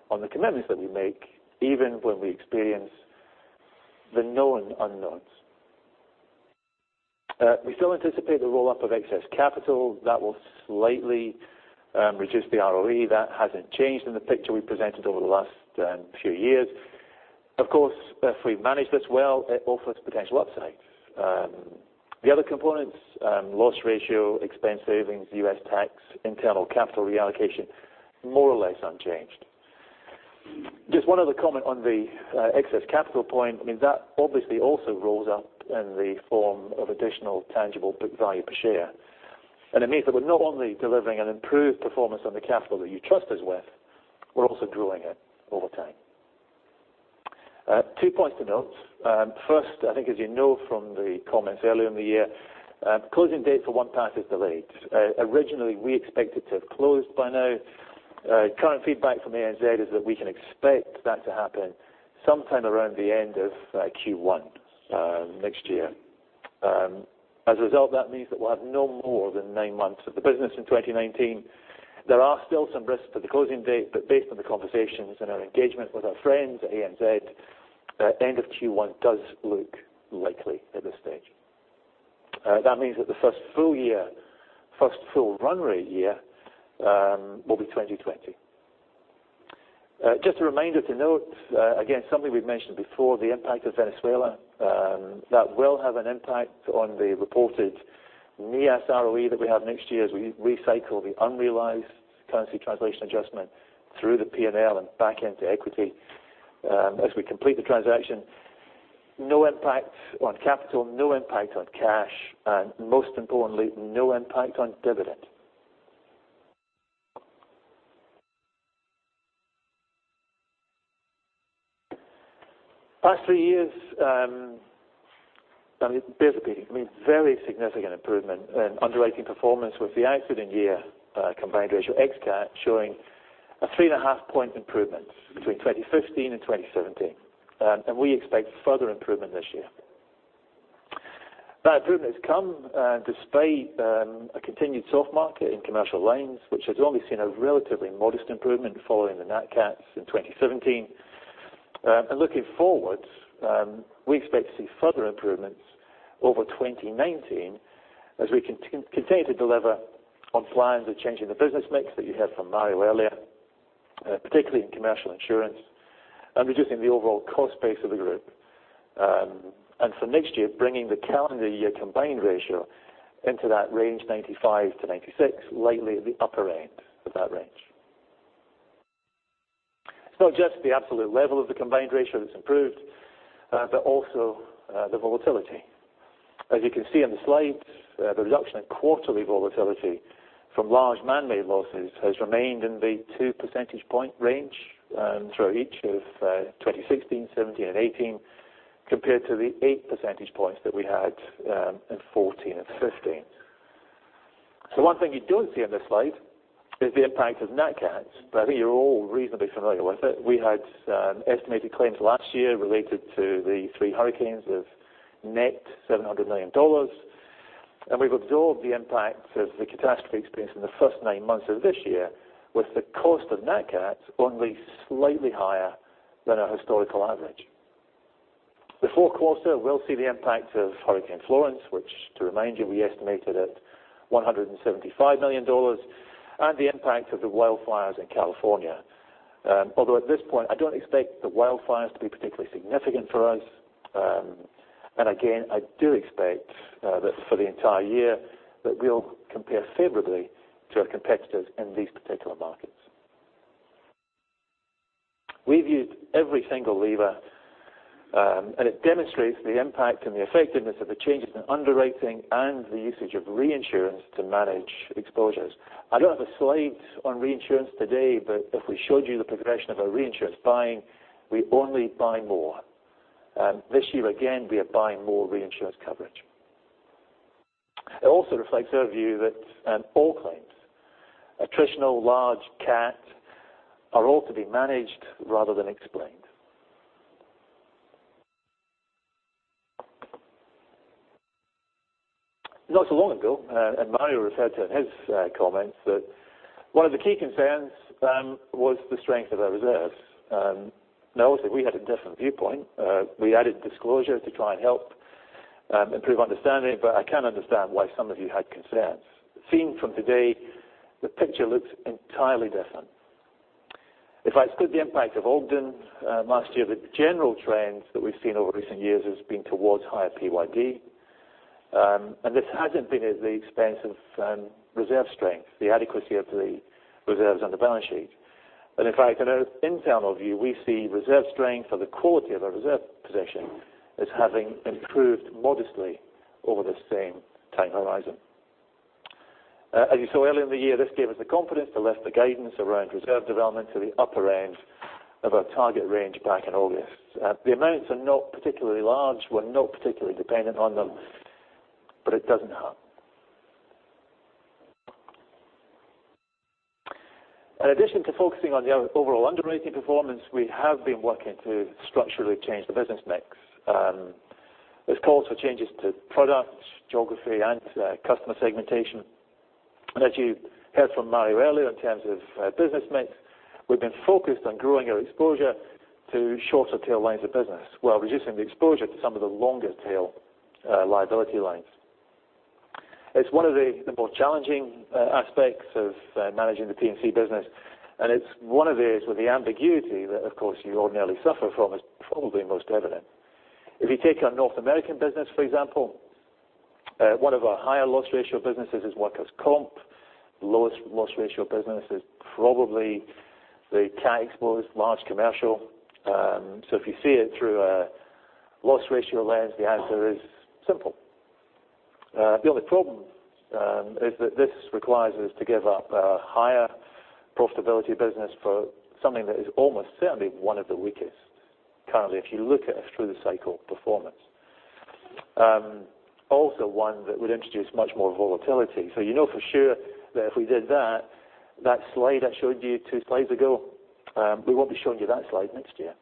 on the commitments that we make, even when we experience the known unknowns. We still anticipate the roll-up of excess capital. That will slightly reduce the ROE. That hasn't changed in the picture we presented over the last few years. If we manage this well, it offers potential upsides. The other components, loss ratio, expense savings, U.S. tax, internal capital reallocation, more or less unchanged. Just one other comment on the excess capital point. That obviously also rolls up in the form of additional tangible book value per share. It means that we're not only delivering an improved performance on the capital that you trust us with, we're also growing it over time. Two points to note. First, I think as you know from the comments earlier in the year, closing date for OnePath is delayed. Originally, we expected to have closed by now. Current feedback from ANZ is that we can expect that to happen sometime around the end of Q1 next year. As a result, that means that we'll have no more than 9 months of the business in 2019. There are still some risks to the closing date, based on the conversations and our engagement with our friends at ANZ, end of Q1 does look likely at this stage. That means that the first full run rate year will be 2020. Just a reminder to note, again, something we've mentioned before, the impact of Venezuela. That will have an impact on the reported NIAS ROE that we have next year as we recycle the unrealized currency translation adjustment through the P&L and back into equity as we complete the transaction. No impact on capital, no impact on cash, and most importantly, no impact on dividend. Last three years, bears repeating. Very significant improvement in underwriting performance with the accident year combined ratio ex cat showing a 3.5 point improvement between 2015 and 2017. We expect further improvement this year. That improvement has come despite a continued soft market in commercial lines, which has only seen a relatively modest improvement following the nat cats in 2017. Looking forward, we expect to see further improvements over 2019 as we continue to deliver on plans of changing the business mix that you heard from Mario earlier, particularly in commercial insurance, and reducing the overall cost base of the group. For next year, bringing the calendar year combined ratio into that range 95%-96%, slightly at the upper end of that range. It's not just the absolute level of the combined ratio that's improved, but also the volatility. As you can see on the slides, the reduction in quarterly volatility from large manmade losses has remained in the two percentage point range through each of 2016, 2017, and 2018, compared to the eight percentage points that we had in 2014 and 2015. One thing you don't see on this slide is the impact of nat cats, but I think you're all reasonably familiar with it. We had estimated claims last year related to the three hurricanes of net $700 million. We've absorbed the impact of the catastrophe experienced in the first nine months of this year with the cost of nat cats only slightly higher than our historical average. The fourth quarter will see the impact of Hurricane Florence, which to remind you, we estimated at $175 million, and the impact of the wildfires in California. Although at this point, I don't expect the wildfires to be particularly significant for us. Again, I do expect that for the entire year, that we'll compare favorably to our competitors in these particular markets. We've used every single lever, and it demonstrates the impact and the effectiveness of the changes in underwriting and the usage of reinsurance to manage exposures. I don't have the slides on reinsurance today, but if we showed you the progression of our reinsurance buying, we only buy more. This year, again, we are buying more reinsurance coverage. It also reflects our view that all claims, attritional, large, cat, are all to be managed rather than explained. Not so long ago, and Mario referred to it in his comments, that one of the key concerns was the strength of our reserves. I would say we had a different viewpoint. We added disclosure to try and help improve understanding, but I can understand why some of you had concerns. Seen from today, the picture looks entirely different. If I exclude the impact of Ogden last year, the general trends that we've seen over recent years has been towards higher PYD. This hasn't been at the expense of reserve strength, the adequacy of the reserves on the balance sheet. In fact, in our internal view, we see reserve strength or the quality of our reserve position as having improved modestly over the same time horizon. As you saw earlier in the year, this gave us the confidence to lift the guidance around reserve development to the upper end of our target range back in August. The amounts are not particularly large. We're not particularly dependent on them, but it doesn't hurt. In addition to focusing on the overall underwriting performance, we have been working to structurally change the business mix. This calls for changes to products, geography, and customer segmentation. As you heard from Mario earlier in terms of business mix, we've been focused on growing our exposure to shorter tail lines of business while reducing the exposure to some of the longer tail liability lines. It's one of the more challenging aspects of managing the P&C business, and it's one of those where the ambiguity that, of course, you ordinarily suffer from is probably most evident. If you take our North American business, for example, one of our higher loss ratio businesses is workers' comp. Lowest loss ratio business is probably the cat exposed large commercial. If you see it through a loss ratio lens, the answer is simple. The only problem is that this requires us to give up a higher profitability business for something that is almost certainly one of the weakest currently, if you look at a through the cycle performance. Also one that would introduce much more volatility. You know for sure that if we did that slide I showed you two slides ago, we won't be showing you that slide next year.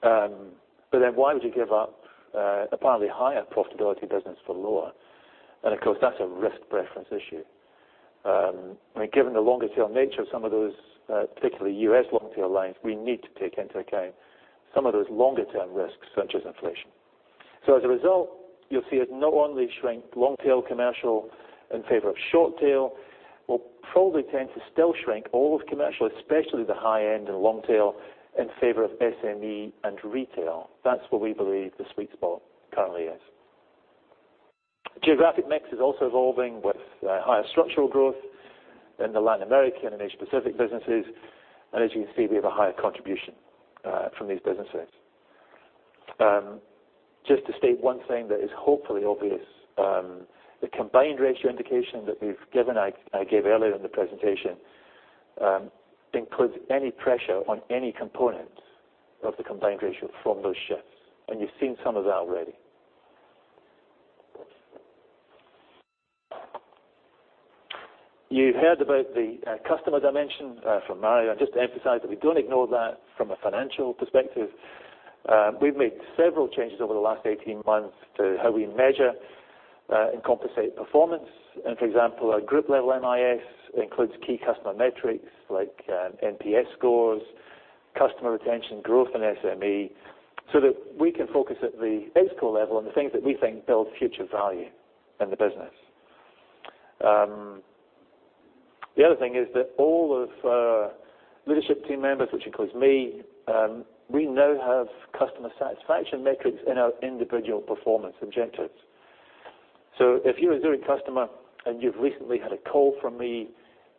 Why would you give up apparently higher profitability business for lower? Of course, that's a risk preference issue. Given the longer tail nature of some of those, particularly U.S. long tail lines, we need to take into account some of those longer term risks such as inflation. As a result, you'll see us not only shrink long tail commercial in favor of short tail, we'll probably tend to still shrink all of commercial, especially the high end and long tail, in favor of SME and retail. That's where we believe the sweet spot currently is. Geographic mix is also evolving with higher structural growth in the Latin America and Asia Pacific businesses. As you can see, we have a higher contribution from these businesses. Just to state one thing that is hopefully obvious, the combined ratio indication that we've given, I gave earlier in the presentation, includes any pressure on any component of the combined ratio from those shifts. You've seen some of that already. You heard about the customer dimension from Mario. I just emphasize that we don't ignore that from a financial perspective. We've made several changes over the last 18 months to how we measure and compensate performance. For example, our group level MIS includes key customer metrics like NPS scores, customer retention growth in SME, so that we can focus at the basic level on the things that we think build future value in the business. The other thing is that all of leadership team members, which includes me, we now have customer satisfaction metrics in our individual performance objectives. If you're a Zurich customer and you've recently had a call from me,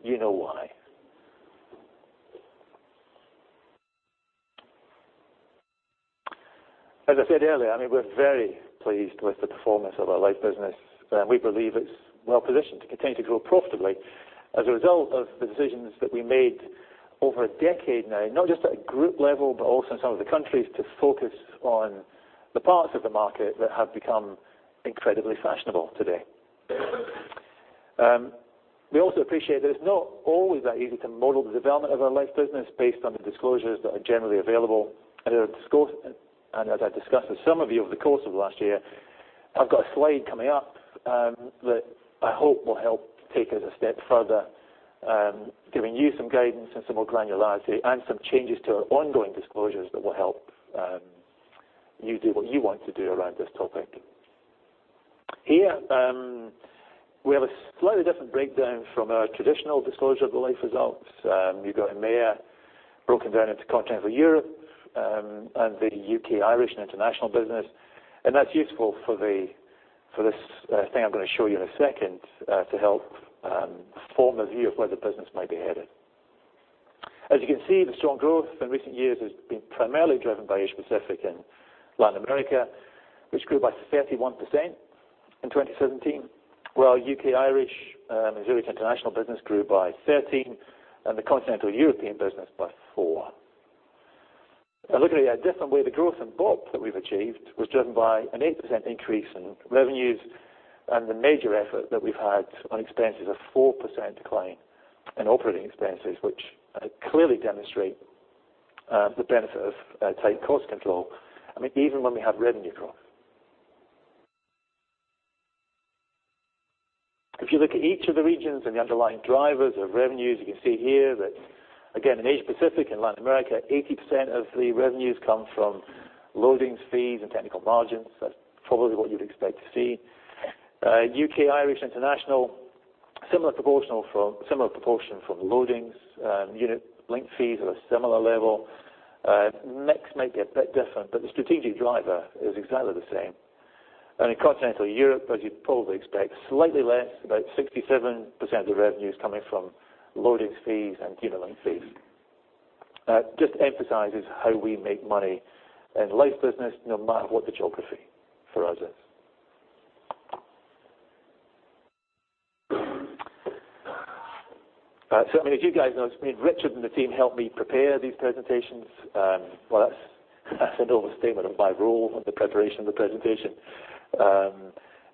you know why. As I said earlier, we're very pleased with the performance of our life business. We believe it's well positioned to continue to grow profitably as a result of the decisions that we made over a decade now, not just at a group level, but also in some of the countries to focus on the parts of the market that have become incredibly fashionable today. We also appreciate that it's not always that easy to model the development of our life business based on the disclosures that are generally available. As I discussed with some of you over the course of last year, I've got a slide coming up that I hope will help take it a step further, giving you some guidance and some more granularity and some changes to our ongoing disclosures that will help you do what you want to do around this topic. Here, we have a slightly different breakdown from our traditional disclosure of the life results. You've got MAA broken down into Continental Europe and the U.K., Irish, and International business, and that's useful for this thing I'm going to show you in a second to help form a view of where the business might be headed. As you can see, the strong growth in recent years has been primarily driven by Asia Pacific and Latin America, which grew by 31% in 2017. While U.K., Irish, and Zurich International business grew by 13% and the Continental European business by 4%. Looking at it a different way, the growth in BOP that we've achieved was driven by an 8% increase in revenues and the major effort that we've had on expenses, a 4% decline in operating expenses, which clearly demonstrate the benefit of tight cost control. Even when we have revenue growth. If you look at each of the regions and the underlying drivers of revenues, you can see here that again, in Asia Pacific and Latin America, 80% of the revenues come from loading fees and technical margins. That's probably what you'd expect to see. U.K., Irish, International, similar proportion from loadings. Unit link fees at a similar level. Mix may be a bit different, but the strategic driver is exactly the same. In Continental Europe, as you'd probably expect, slightly less, about 67% of revenues coming from loading fees and unit link fees. Just emphasizes how we make money in life business, no matter what the geography for us is. As you guys know, Richard and the team helped me prepare these presentations. Well, that's an overstatement of my role in the preparation of the presentation.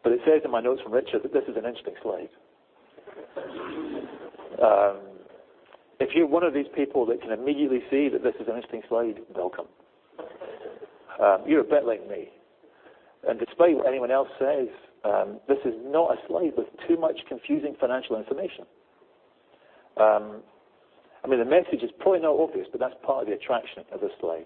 It says in my notes from Richard that this is an interesting slide. If you're one of these people that can immediately see that this is an interesting slide, welcome. You're a bit like me. Despite what anyone else says, this is not a slide with too much confusing financial information. The message is probably not obvious, but that's part of the attraction of this slide.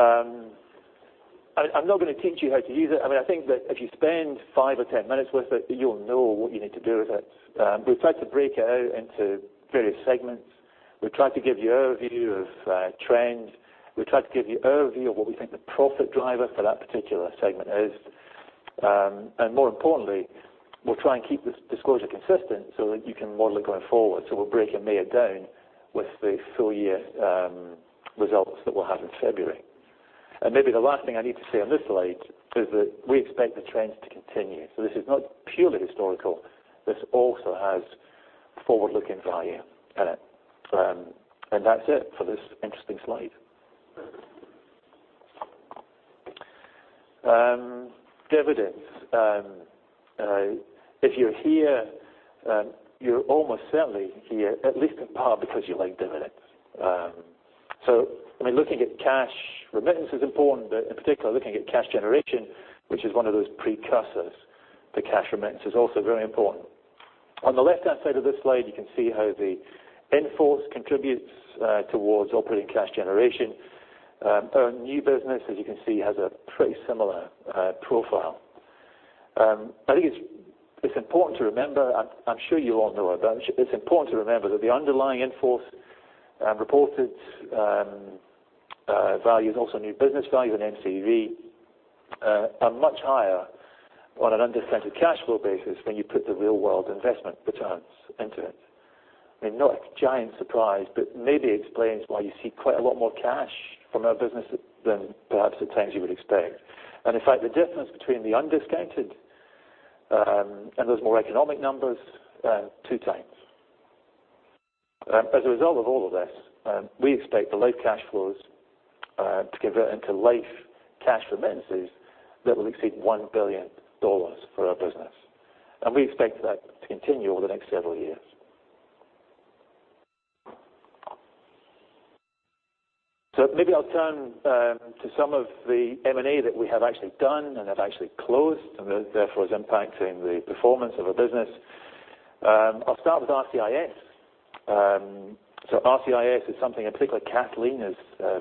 I'm not going to teach you how to use it. I think that if you spend five or 10 minutes with it, you'll know what you need to do with it. We've tried to break it out into various segments. We've tried to give you overview of trends. We've tried to give you overview of what we think the profit driver for that particular segment is. More importantly, we'll try and keep this disclosure consistent so that you can model it going forward. We'll break MAA down with the full year results that we'll have in February. Maybe the last thing I need to say on this slide is that we expect the trends to continue. This is not purely historical. This also has forward-looking value in it. That's it for this interesting slide. Dividends. If you're here, you're almost certainly here, at least in part because you like dividends. Looking at cash remittance is important, but in particular, looking at cash generation, which is one of those precursors to cash remittance, is also very important. On the left-hand side of this slide, you can see how the in-force contributes towards operating cash generation. New business, as you can see, has a pretty similar profile. I think it's important to remember, I'm sure you all know, but it's important to remember that the underlying in-force reported values, also new business values and MCV, are much higher on an undiscounted cash flow basis when you put the real world investment returns into it. Maybe explains why you see quite a lot more cash from our business than perhaps at times you would expect. In fact, the difference between the undiscounted and those more economic numbers, 2 times. As a result of all of this, we expect the life cash flows to convert into life cash remittances that will exceed CHF 1 billion for our business, and we expect that to continue over the next several years. Maybe I'll turn to some of the M&A that we have actually done and have actually closed, and therefore is impacting the performance of our business. I'll start with RCIS. RCIS is something in particular Kathleen is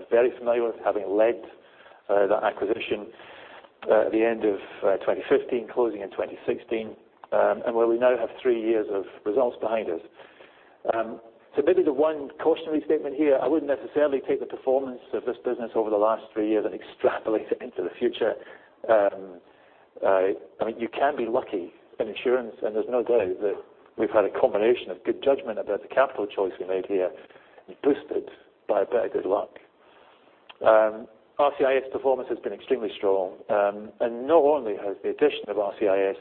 very familiar with, having led that acquisition at the end of 2015, closing in 2016, and where we now have 3 years of results behind us. Maybe the one cautionary statement here, I wouldn't necessarily take the performance of this business over the last 3 years and extrapolate it into the future. You can be lucky in insurance, and there's no doubt that we've had a combination of good judgment about the capital choice we made here, boosted by a bit of good luck. RCIS performance has been extremely strong. Not only has the addition of RCIS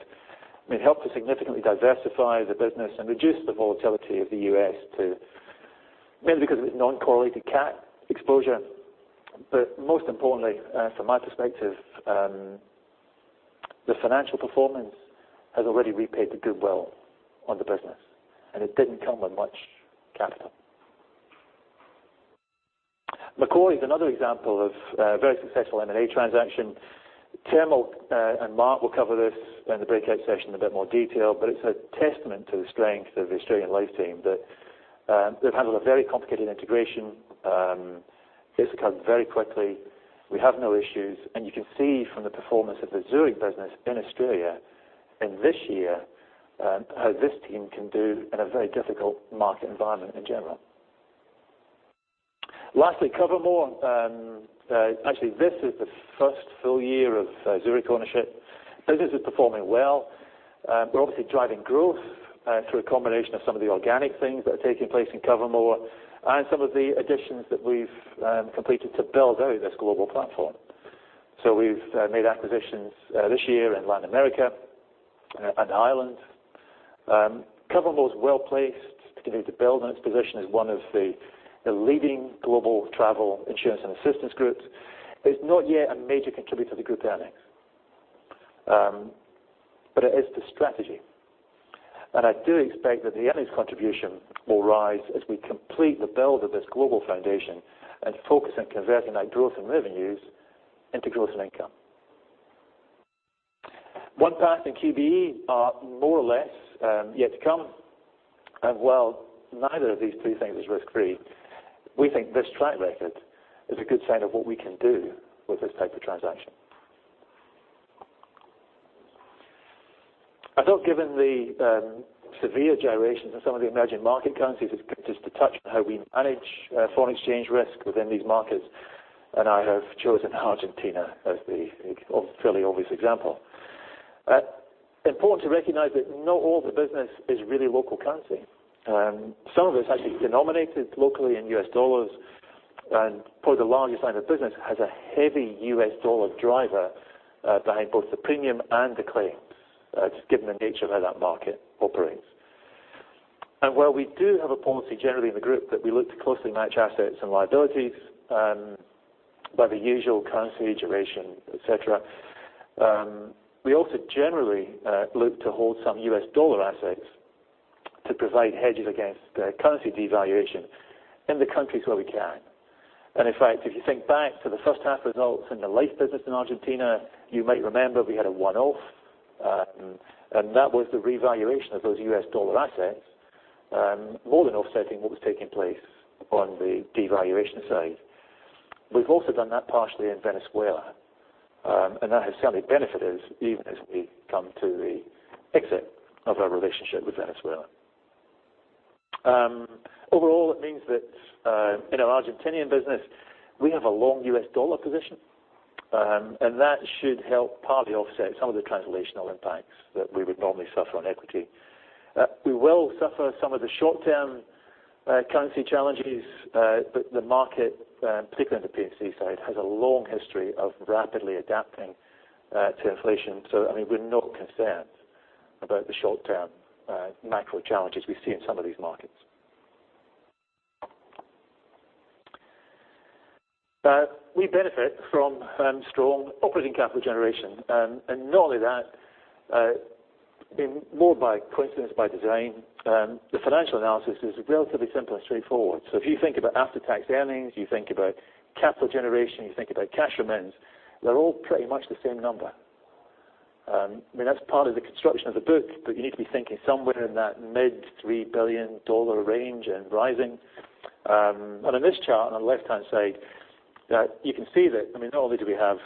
helped to significantly diversify the business and reduce the volatility of the U.S., mainly because of its non-correlated cat exposure. Most importantly, from my perspective, the financial performance has already repaid the goodwill on the business, and it didn't come with much capital. Macquarie is another example of a very successful M&A transaction. Tim and Mark will cover this in the breakout session in a bit more detail, but it's a testament to the strength of the Australian life team that they've handled a very complicated integration. This occurred very quickly. We have no issues, and you can see from the performance of the Zurich business in Australia in this year, how this team can do in a very difficult market environment in general. Lastly, Cover-More. Actually, this is the first full year of Zurich ownership. Business is performing well. We're obviously driving growth through a combination of some of the organic things that are taking place in Cover-More and some of the additions that we've completed to build out this global platform. We've made acquisitions this year in Latin America and Ireland. Cover-More is well placed to continue to build on its position as one of the leading global travel insurance and assistance groups. It's not yet a major contributor to the group earnings, but it is the strategy. I do expect that the earnings contribution will rise as we complete the build of this global foundation and focus on converting that growth in revenues into growth in income. OnePath and QBE are more or less yet to come. While neither of these two things is risk free, we think this track record is a good sign of what we can do with this type of transaction. I thought, given the severe gyrations in some of the emerging market currencies, it's good just to touch on how we manage foreign exchange risk within these markets. I have chosen Argentina as the fairly obvious example. It is important to recognize that not all the business is really local currency. Some of it is actually denominated locally in U.S. dollars. Probably the largest line of business has a heavy U.S. dollar driver behind both the premium and the claims, just given the nature of how that market operates. While we do have a policy generally in the group that we look to closely match assets and liabilities by the usual currency duration, et cetera, we also generally look to hold some U.S. dollar assets to provide hedges against currency devaluation in the countries where we can. In fact, if you think back to the first half results in the life business in Argentina, you might remember we had a one-off. That was the revaluation of those U.S. dollar assets, more than offsetting what was taking place on the devaluation side. We've also done that partially in Venezuela. That has certainly benefited us even as we come to the exit of our relationship with Venezuela. Overall, it means that in our Argentinian business, we have a long U.S. dollar position. That should help partly offset some of the translational impacts that we would normally suffer on equity. We will suffer some of the short-term currency challenges. The market, particularly on the P&C side, has a long history of rapidly adapting to inflation. We're not concerned about the short-term macro challenges we see in some of these markets. We benefit from strong operating capital generation. Not only that, more by coincidence by design, the financial analysis is relatively simple and straightforward. If you think about after-tax earnings, you think about capital generation, you think about cash remittance, they're all pretty much the same number. That's partly the construction of the book, but you need to be thinking somewhere in that mid 3 billion range and rising. On this chart, on the left-hand side, you can see that not only do we have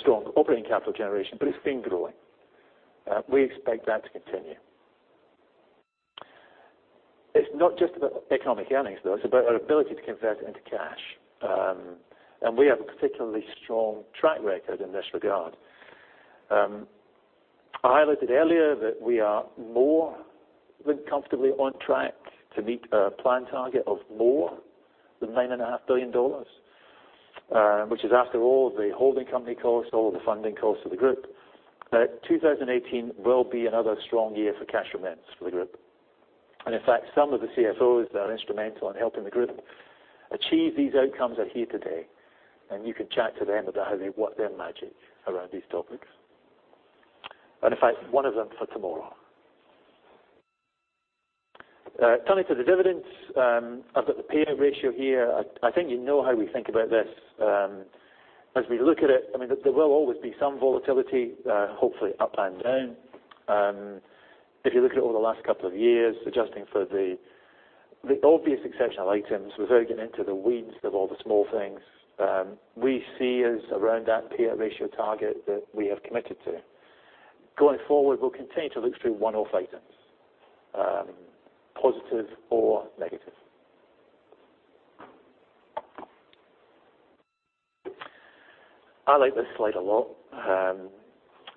strong operating capital generation, but it's been growing. We expect that to continue. It's not just about economic earnings, though. It's about our ability to convert it into cash. We have a particularly strong track record in this regard. I highlighted earlier that we are more than comfortably on track to meet our planned target of more than CHF 9.5 billion. That is after all the holding company costs, all the funding costs for the group. 2018 will be another strong year for cash remittances for the group. In fact, some of the CFOs that are instrumental in helping the group achieve these outcomes are here today. You can chat to them about how they work their magic around these topics. In fact, one of them for tomorrow. Turning to the dividends, I've got the payout ratio here. I think you know how we think about this. As we look at it, there will always be some volatility, hopefully up and down. If you look at it over the last two years, adjusting for the obvious exceptional items, without getting into the weeds of all the small things, we see as around that payout ratio target that we have committed to. Going forward, we will continue to look through one-off items, positive or negative. I like this slide a lot.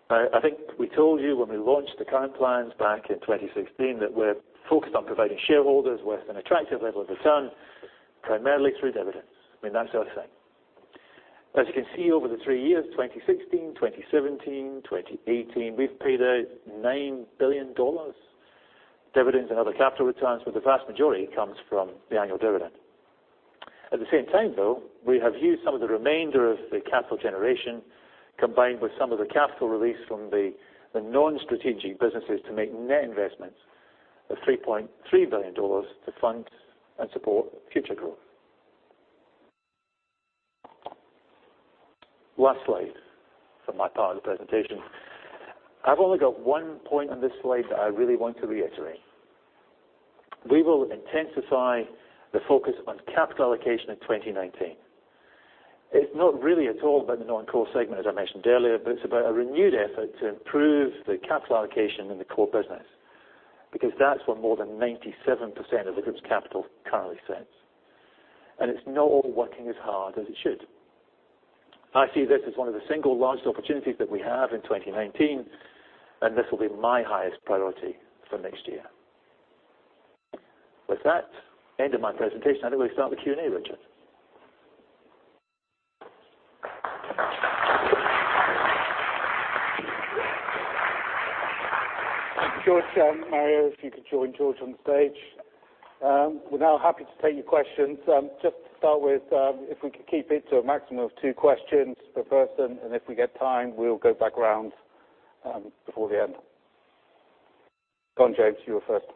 I think we told you when we launched the current plans back in 2016 that we are focused on providing shareholders with an attractive level of return, primarily through dividends. That is what I say. As you can see over the three years, 2016, 2017, 2018, we have paid out CHF 9 billion dividends and other capital returns, the vast majority comes from the annual dividend. At the same time though, we have used some of the remainder of the capital generation, combined with some of the capital release from the non-strategic businesses to make net investments of CHF 3.3 billion to fund and support future growth. Last slide for my part of the presentation. I have only got one point on this slide that I really want to reiterate. We will intensify the focus on capital allocation in 2019. It is not really at all about the non-core segment, as I mentioned earlier, but it is about a renewed effort to improve the capital allocation in the core business, because that is where more than 97% of the group's capital currently sits. It is not all working as hard as it should. I see this as one of the single largest opportunities that we have in 2019, and this will be my highest priority for next year. With that, end of my presentation. How do we start the Q&A, Richard? George, Mario, if you could join George on stage. We are now happy to take your questions. Just to start with, if we could keep it to a maximum of two questions per person, and if we get time, we will go back around before the end. Go on, James, you were first.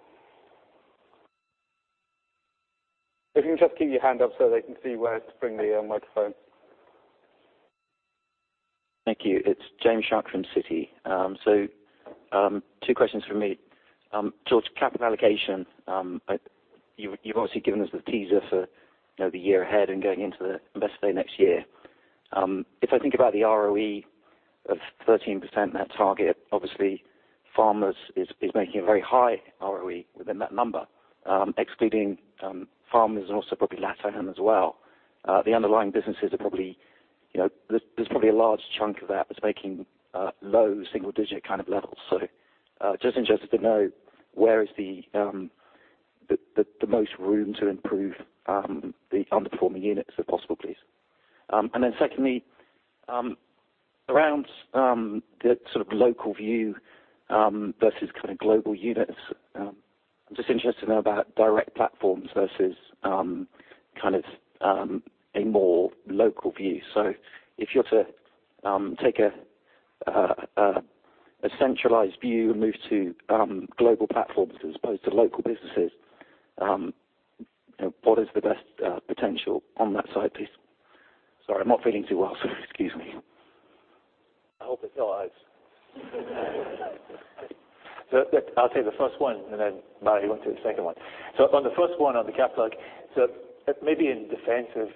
If you can just keep your hand up so they can see where to bring the microphone. Thank you. It's James Shuck from Citi. Two questions from me. George, capital allocation. You've obviously given us the teaser for the year ahead and going into the investor day next year. If I think about the ROE of 13%, that target, obviously Farmers is making a very high ROE within that number. Excluding Farmers and also probably LatAm as well, the underlying businesses, there's probably a large chunk of that that's making low single-digit kind of levels. Just interested to know where is the most room to improve the underperforming units, if possible, please. Secondly, around the local view versus global units. I'm just interested to know about direct platforms versus a more local view. If you're to take a centralized view and move to global platforms as opposed to local businesses, what is the best potential on that side, please? Sorry, I'm not feeling too well, excuse me. I hope it's not ours. I'll take the first one, Mario, you want to do the second one? On the first one on the capital, maybe in defense of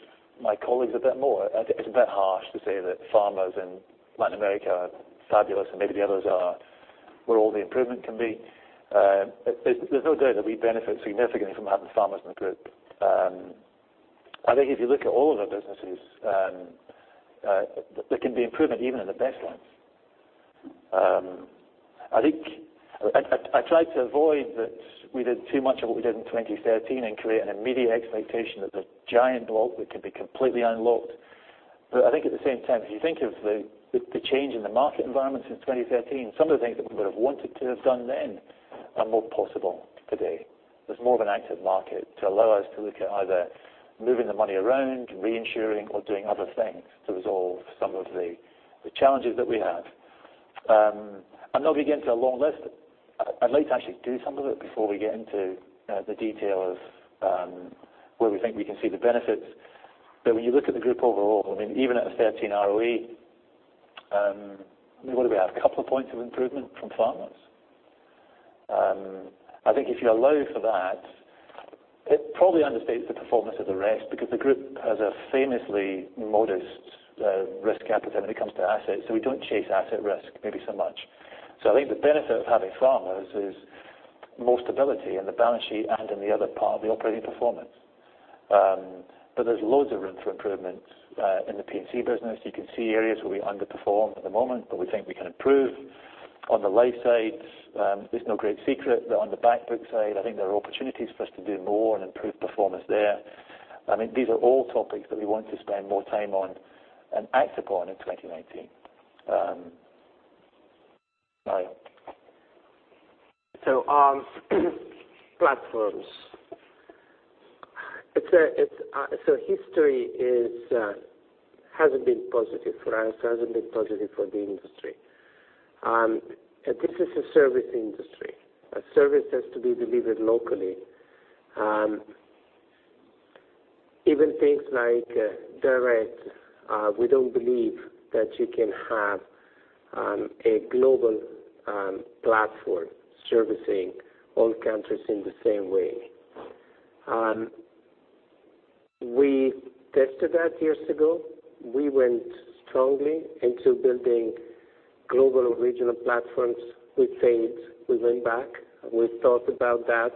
my colleagues a bit more, I think it's a bit harsh to say that Farmers and Latin America are fabulous and maybe the others are where all the improvement can be. There's no doubt that we benefit significantly from having Farmers in the group. I think if you look at all of our businesses, there can be improvement even in the best ones. I tried to avoid that we did too much of what we did in 2013 and create an immediate expectation that the giant block that could be completely unlocked. I think at the same time, if you think of the change in the market environment since 2013, some of the things that we would have wanted to have done then are more possible today. There's more of an active market to allow us to look at either moving the money around, reinsuring, or doing other things to resolve some of the challenges that we have. I'm not going to get into a long list. I'd like to actually do some of it before we get into the detail of where we think we can see the benefits. When you look at the group overall, even at a 13 ROE, what do we have? A couple of points of improvement from Farmers? I think if you allow for that, it probably understates the performance of the rest because the group has a famously modest risk appetite when it comes to assets. We don't chase asset risk maybe so much. I think the benefit of having Farmers is more stability in the balance sheet and in the other part of the operating performance. There's loads of room for improvement in the P&C business. You can see areas where we underperform at the moment, but we think we can improve. On the life side, it's no great secret that on the back book side, I think there are opportunities for us to do more and improve performance there. These are all topics that we want to spend more time on and act upon in 2019. Mario? Platforms. History hasn't been positive for us, hasn't been positive for the industry. This is a service industry. A service has to be delivered locally. Even things like direct, we don't believe that you can have a global platform servicing all countries in the same way. We tested that years ago. We went strongly into building global regional platforms. We failed. We went back. We thought about that.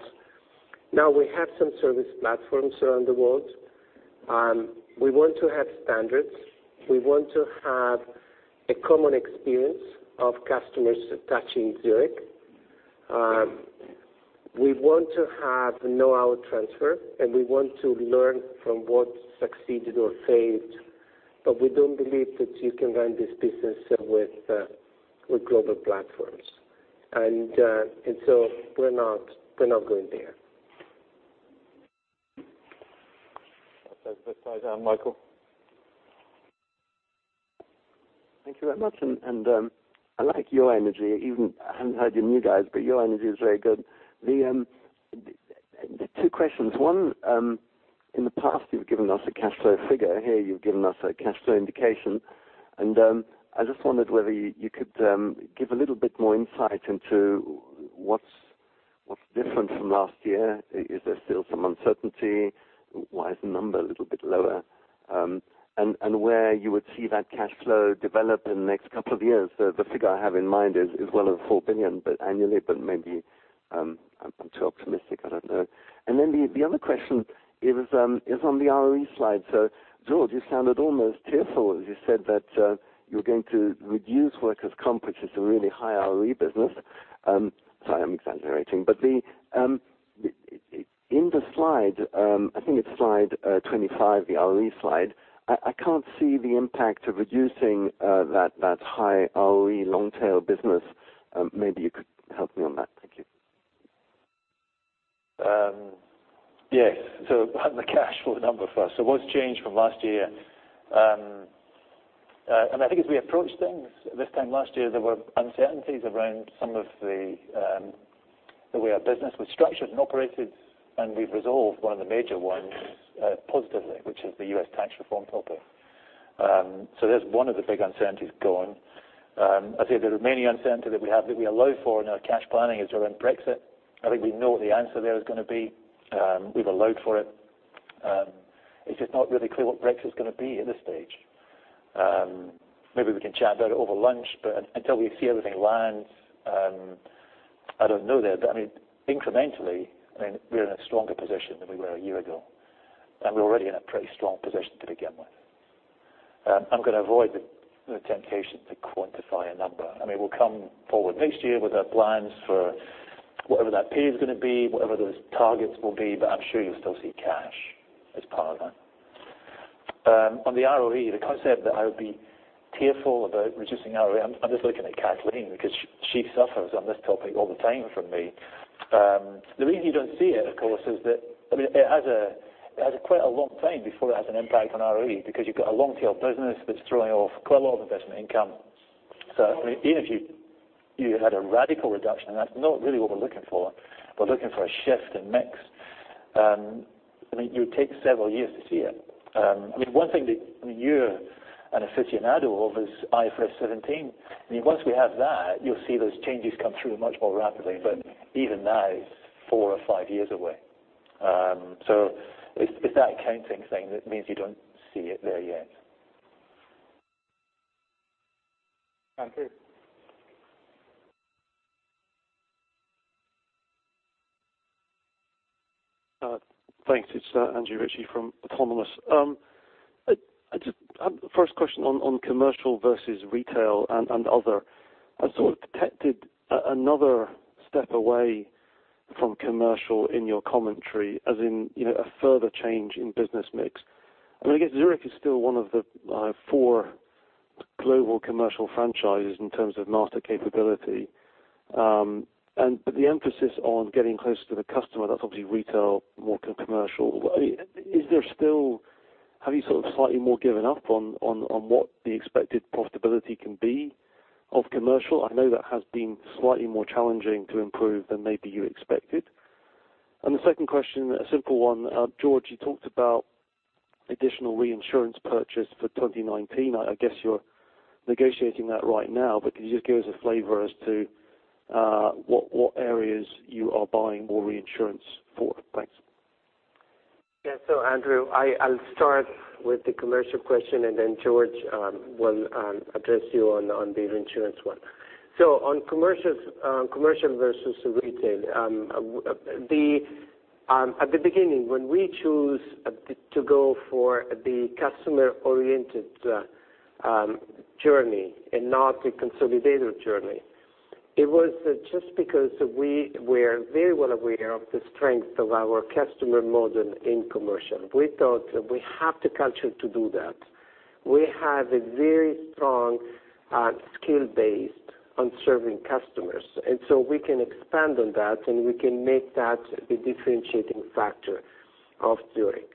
Now we have some service platforms around the world. We want to have standards. We want to have a common experience of customers touching Zurich. We want to have know-how transfer, and we want to learn from what succeeded or failed. We don't believe that you can run this business with global platforms. We're not going there. That's clear. Michael? Thank you very much. I like your energy, even I haven't heard you guys, your energy is very good. Two questions. One, in the past you've given us a cash flow figure. Here you've given us a cash flow indication, and I just wondered whether you could give a little bit more insight into what's different from last year. Is there still some uncertainty? Why is the number a little bit lower? Where you would see that cash flow develop in the next couple of years? The figure I have in mind is well over 4 billion annually, but maybe I'm too optimistic, I don't know. The other question is on the ROE slide. George, you sounded almost tearful as you said that you're going to reduce workers' comp, which is a really high ROE business. Sorry, I'm exaggerating. In the slide, I think it's slide 25, the ROE slide, I can't see the impact of reducing that high ROE long tail business. Maybe you could help me on that. Thank you. Yes. The cash flow number first. What's changed from last year? I think as we approached things this time last year, there were uncertainties around some of the way our business was structured and operated, and we've resolved one of the major ones positively, which is the US tax reform topic. There's one of the big uncertainties gone. I'd say the remaining uncertainty that we have that we allow for in our cash planning is around Brexit. I think we know what the answer there is going to be. We've allowed for it. It's just not really clear what Brexit's going to be at this stage. Maybe we can chat about it over lunch, but until we see everything lands, I don't know there. Incrementally, we're in a stronger position than we were a year ago, and we're already in a pretty strong position to begin with. I'm going to avoid the temptation to quantify a number. We'll come forward next year with our plans for whatever that pay is going to be, whatever those targets will be. I'm sure you'll still see cash as part of that. On the ROE, the concept that I would be tearful about reducing ROE, I'm just looking at Kathleen because she suffers on this topic all the time from me. The reason you don't see it, of course, is that it has quite a long time before it has an impact on ROE because you've got a long tail business that's throwing off quite a lot of investment income. Even if you had a radical reduction, and that's not really what we're looking for, we're looking for a shift in mix. You would take several years to see it. One thing that you're an aficionado of is IFRS 17. Once we have that, you'll see those changes come through much more rapidly. Even now it's four or five years away. It's that accounting thing that means you don't see it there yet. Andrew? Thanks. It's Andrew Ritchie from Autonomous. First question on commercial versus retail and other. I sort of detected another step away from commercial in your commentary, as in a further change in business mix. I guess Zurich is still one of the four global commercial franchises in terms of master capability. The emphasis on getting closer to the customer, that's obviously retail more than commercial. Have you slightly more given up on what the expected profitability can be of commercial? I know that has been slightly more challenging to improve than maybe you expected. The second question, a simple one. George, you talked about additional reinsurance purchase for 2019. I guess you are negotiating that right now. Could you just give us a flavor as to what areas you are buying more reinsurance for? Thanks. Andrew, I'll start with the commercial question, then George will address you on the reinsurance one. On commercial versus retail, at the beginning, when we choose to go for the customer oriented journey and not the consolidator journey, it was just because we were very well aware of the strength of our customer model in commercial. We thought we have the culture to do that. We have a very strong skill base on serving customers, so we can expand on that, and we can make that the differentiating factor of Zurich.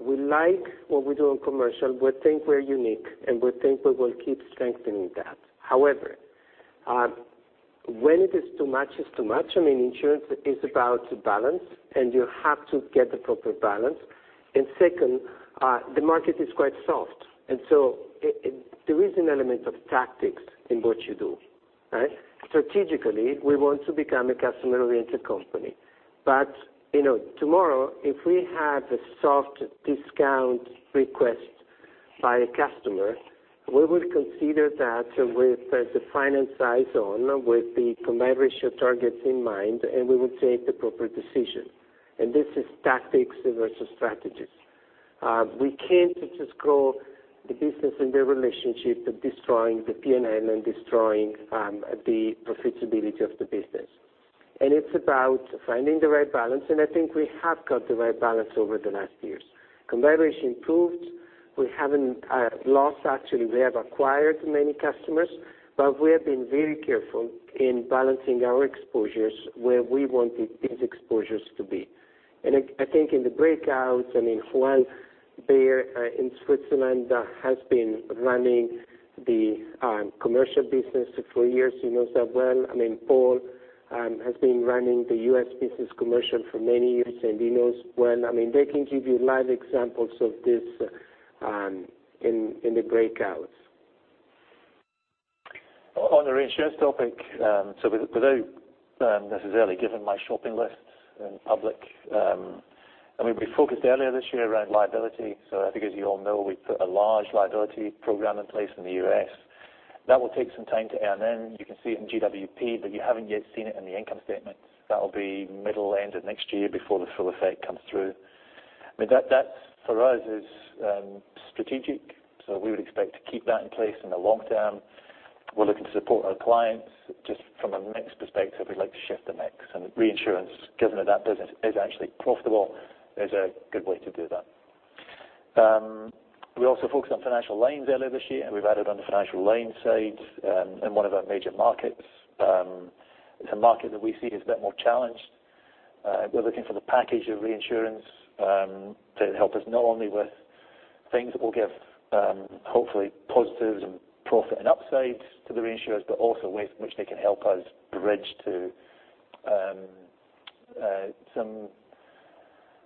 We like what we do in commercial. We think we are unique, and we think we will keep strengthening that. However, when it is too much, it's too much. Insurance is about balance, and you have to get the proper balance. Second, the market is quite soft, so there is an element of tactics in what you do. Strategically, we want to become a customer oriented company. Tomorrow, if we have a soft discount request by a customer, we will consider that with the finance eyes on, with the combined ratio targets in mind, and we will take the proper decision. This is tactics versus strategies. We can't just grow the business and the relationship of destroying the PNL and destroying the profitability of the business. It's about finding the right balance, and I think we have got the right balance over the last years. Combined ratio improved. We haven't lost, actually, we have acquired many customers, but we have been very careful in balancing our exposures where we wanted these exposures to be. I think in the breakouts, I mean, Juan, there in Switzerland, has been running the commercial business for years. He knows that well. I mean, Paul has been running the U.S. business commercial for many years, and he knows well. They can give you live examples of this in the breakouts. On the reinsurance topic, without necessarily giving my shopping list in public. I mean, we focused earlier this year around liability. I think as you all know, we put a large liability program in place in the U.S. That will take some time to earn in. You can see it in GWP, but you haven't yet seen it in the income statement. That will be middle end of next year before the full effect comes through. That for us is strategic, we would expect to keep that in place in the long term. We're looking to support our clients. Just from a mix perspective, we'd like to shift the mix, reinsurance, given that that business is actually profitable, is a good way to do that. We also focused on financial lines earlier this year, we've added on the financial lines side in one of our major markets. It's a market that we see is a bit more challenged. We're looking for the package of reinsurance to help us not only with things that will give hopefully positives and profit and upsides to the reinsurers, but also ways in which they can help us bridge to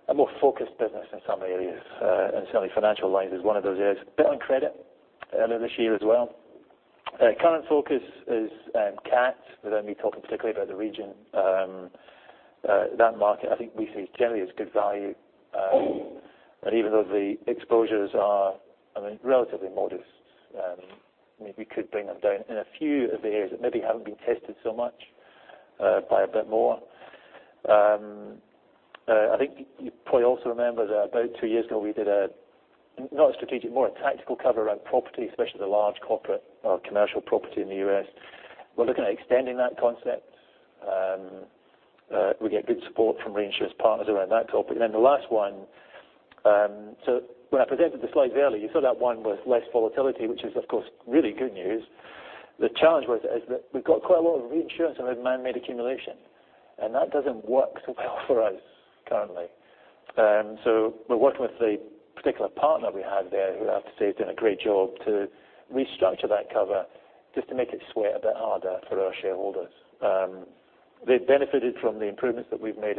a more focused business in some areas. Certainly financial lines is one of those areas. A bit on credit earlier this year as well. Current focus is CAT, without me talking particularly about the region. That market, I think we see generally as good value. Even though the exposures are relatively modest, we could bring them down in a few of the areas that maybe haven't been tested so much by a bit more. I think you probably also remember that about two years ago, we did a, not a strategic, more a tactical cover around property, especially the large corporate commercial property in the U.S. We're looking at extending that concept. We get good support from reinsurance partners around that topic. The last one, when I presented the slides earlier, you saw that one was less volatility, which is, of course, really good news. The challenge was is that we've got quite a lot of reinsurance manmade accumulation, that doesn't work so well for us currently. We're working with the particular partner we have there, who I have to say has done a great job to restructure that cover just to make it sweat a bit harder for our shareholders. They benefited from the improvements that we've made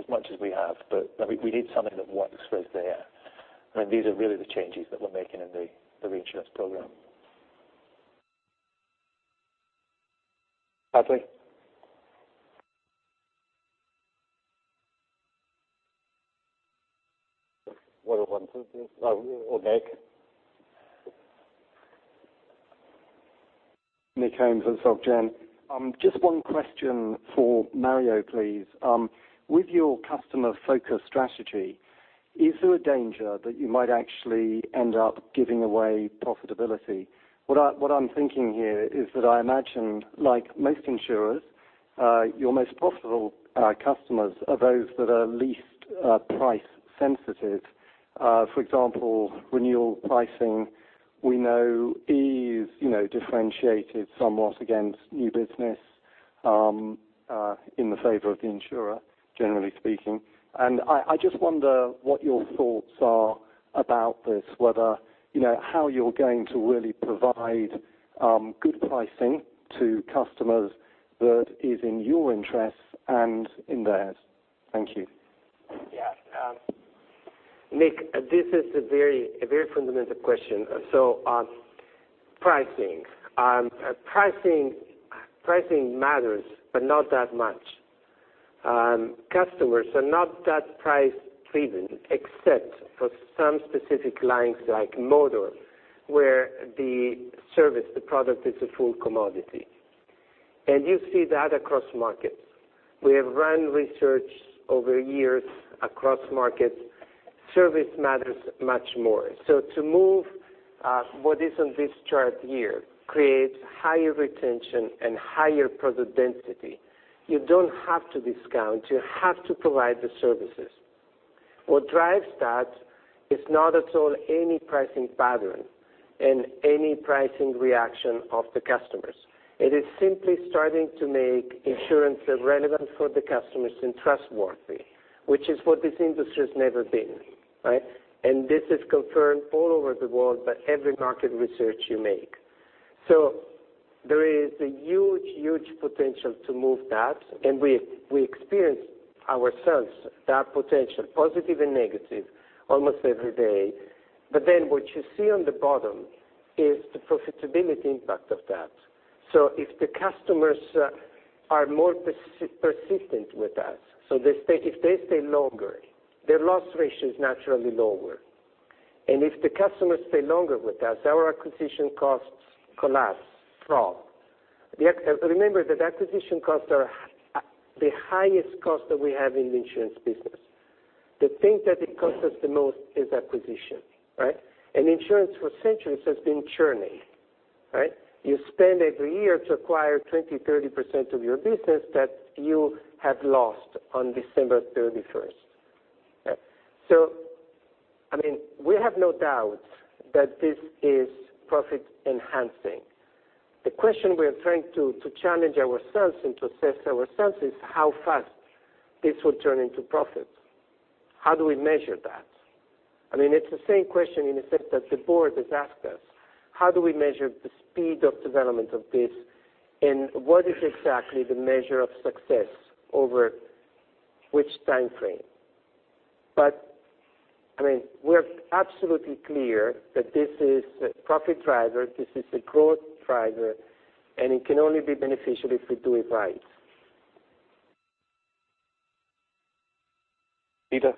as much as we have, we need something that works for us there. These are really the changes that we're making in the reinsurance program. Patrick? What about Nick? Nick Holmes at Société Générale. Just one question for Mario, please. With your customer focus strategy, is there a danger that you might actually end up giving away profitability? What I'm thinking here is that I imagine, like most insurers, your most profitable customers are those that are least price sensitive. For example, renewal pricing we know is differentiated somewhat against new business in the favor of the insurer, generally speaking. I just wonder what your thoughts are about this, how you are going to really provide good pricing to customers that is in your interest and in theirs. Thank you. Yeah. Nick, this is a very fundamental question. Pricing. Pricing matters, but not that much. Customers are not that price driven except for some specific lines like motor, where the service, the product is a full commodity. You see that across markets. We have run research over years across markets. Service matters much more. To move what is on this chart here, create higher retention and higher product density, you don't have to discount. You have to provide the services. What drives that is not at all any pricing pattern and any pricing reaction of the customers. It is simply starting to make insurance relevant for the customers and trustworthy, which is what this industry has never been. Right? This is confirmed all over the world by every market research you make. There is a huge potential to move that, and we experience ourselves that potential, positive and negative, almost every day. What you see on the bottom is the profitability impact of that. If the customers are more persistent with us, so if they stay longer, their loss ratio is naturally lower. If the customers stay longer with us, our acquisition costs collapse from. Remember that acquisition costs are the highest cost that we have in the insurance business. The thing that it costs us the most is acquisition, right? Insurance for centuries has been churning. Right? You spend every year to acquire 20%, 30% of your business that you have lost on December 31st. We have no doubt that this is profit enhancing. The question we are trying to challenge ourselves and to assess ourselves is how fast this will turn into profit. How do we measure that? It is the same question in a sense that the board has asked us. How do we measure the speed of development of this? What is exactly the measure of success over which time frame? We are absolutely clear that this is a profit driver, this is a growth driver, and it can only be beneficial if we do it right. Peter?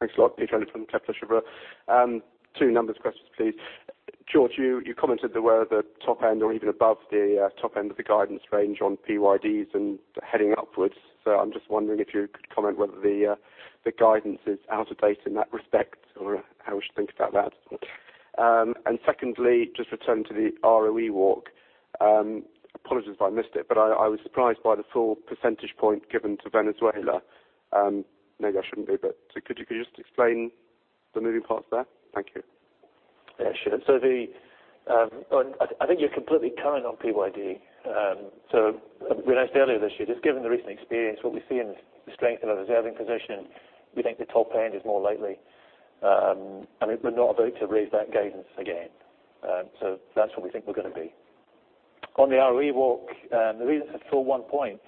Thanks a lot. Peter Eliot from Kepler Cheuvreux. Two numbers questions, please. George, you commented they were the top end or even above the top end of the guidance range on PYDs and heading upwards. I am just wondering if you could comment whether the guidance is out of date in that respect or how we should think about that. Secondly, just returning to the ROE walk. Apologies if I missed it, but I was surprised by the full percentage point given to Venezuela. Maybe I shouldn't be, but could you just explain the moving parts there? Thank you. Sure. I think you are completely kind on PYD. We announced earlier this year, just given the recent experience, what we see in the strength of the reserving position, we think the top end is more likely. We are not about to raise that guidance again. That is where we think we are going to be. On the ROE walk, the reason it is a full one point,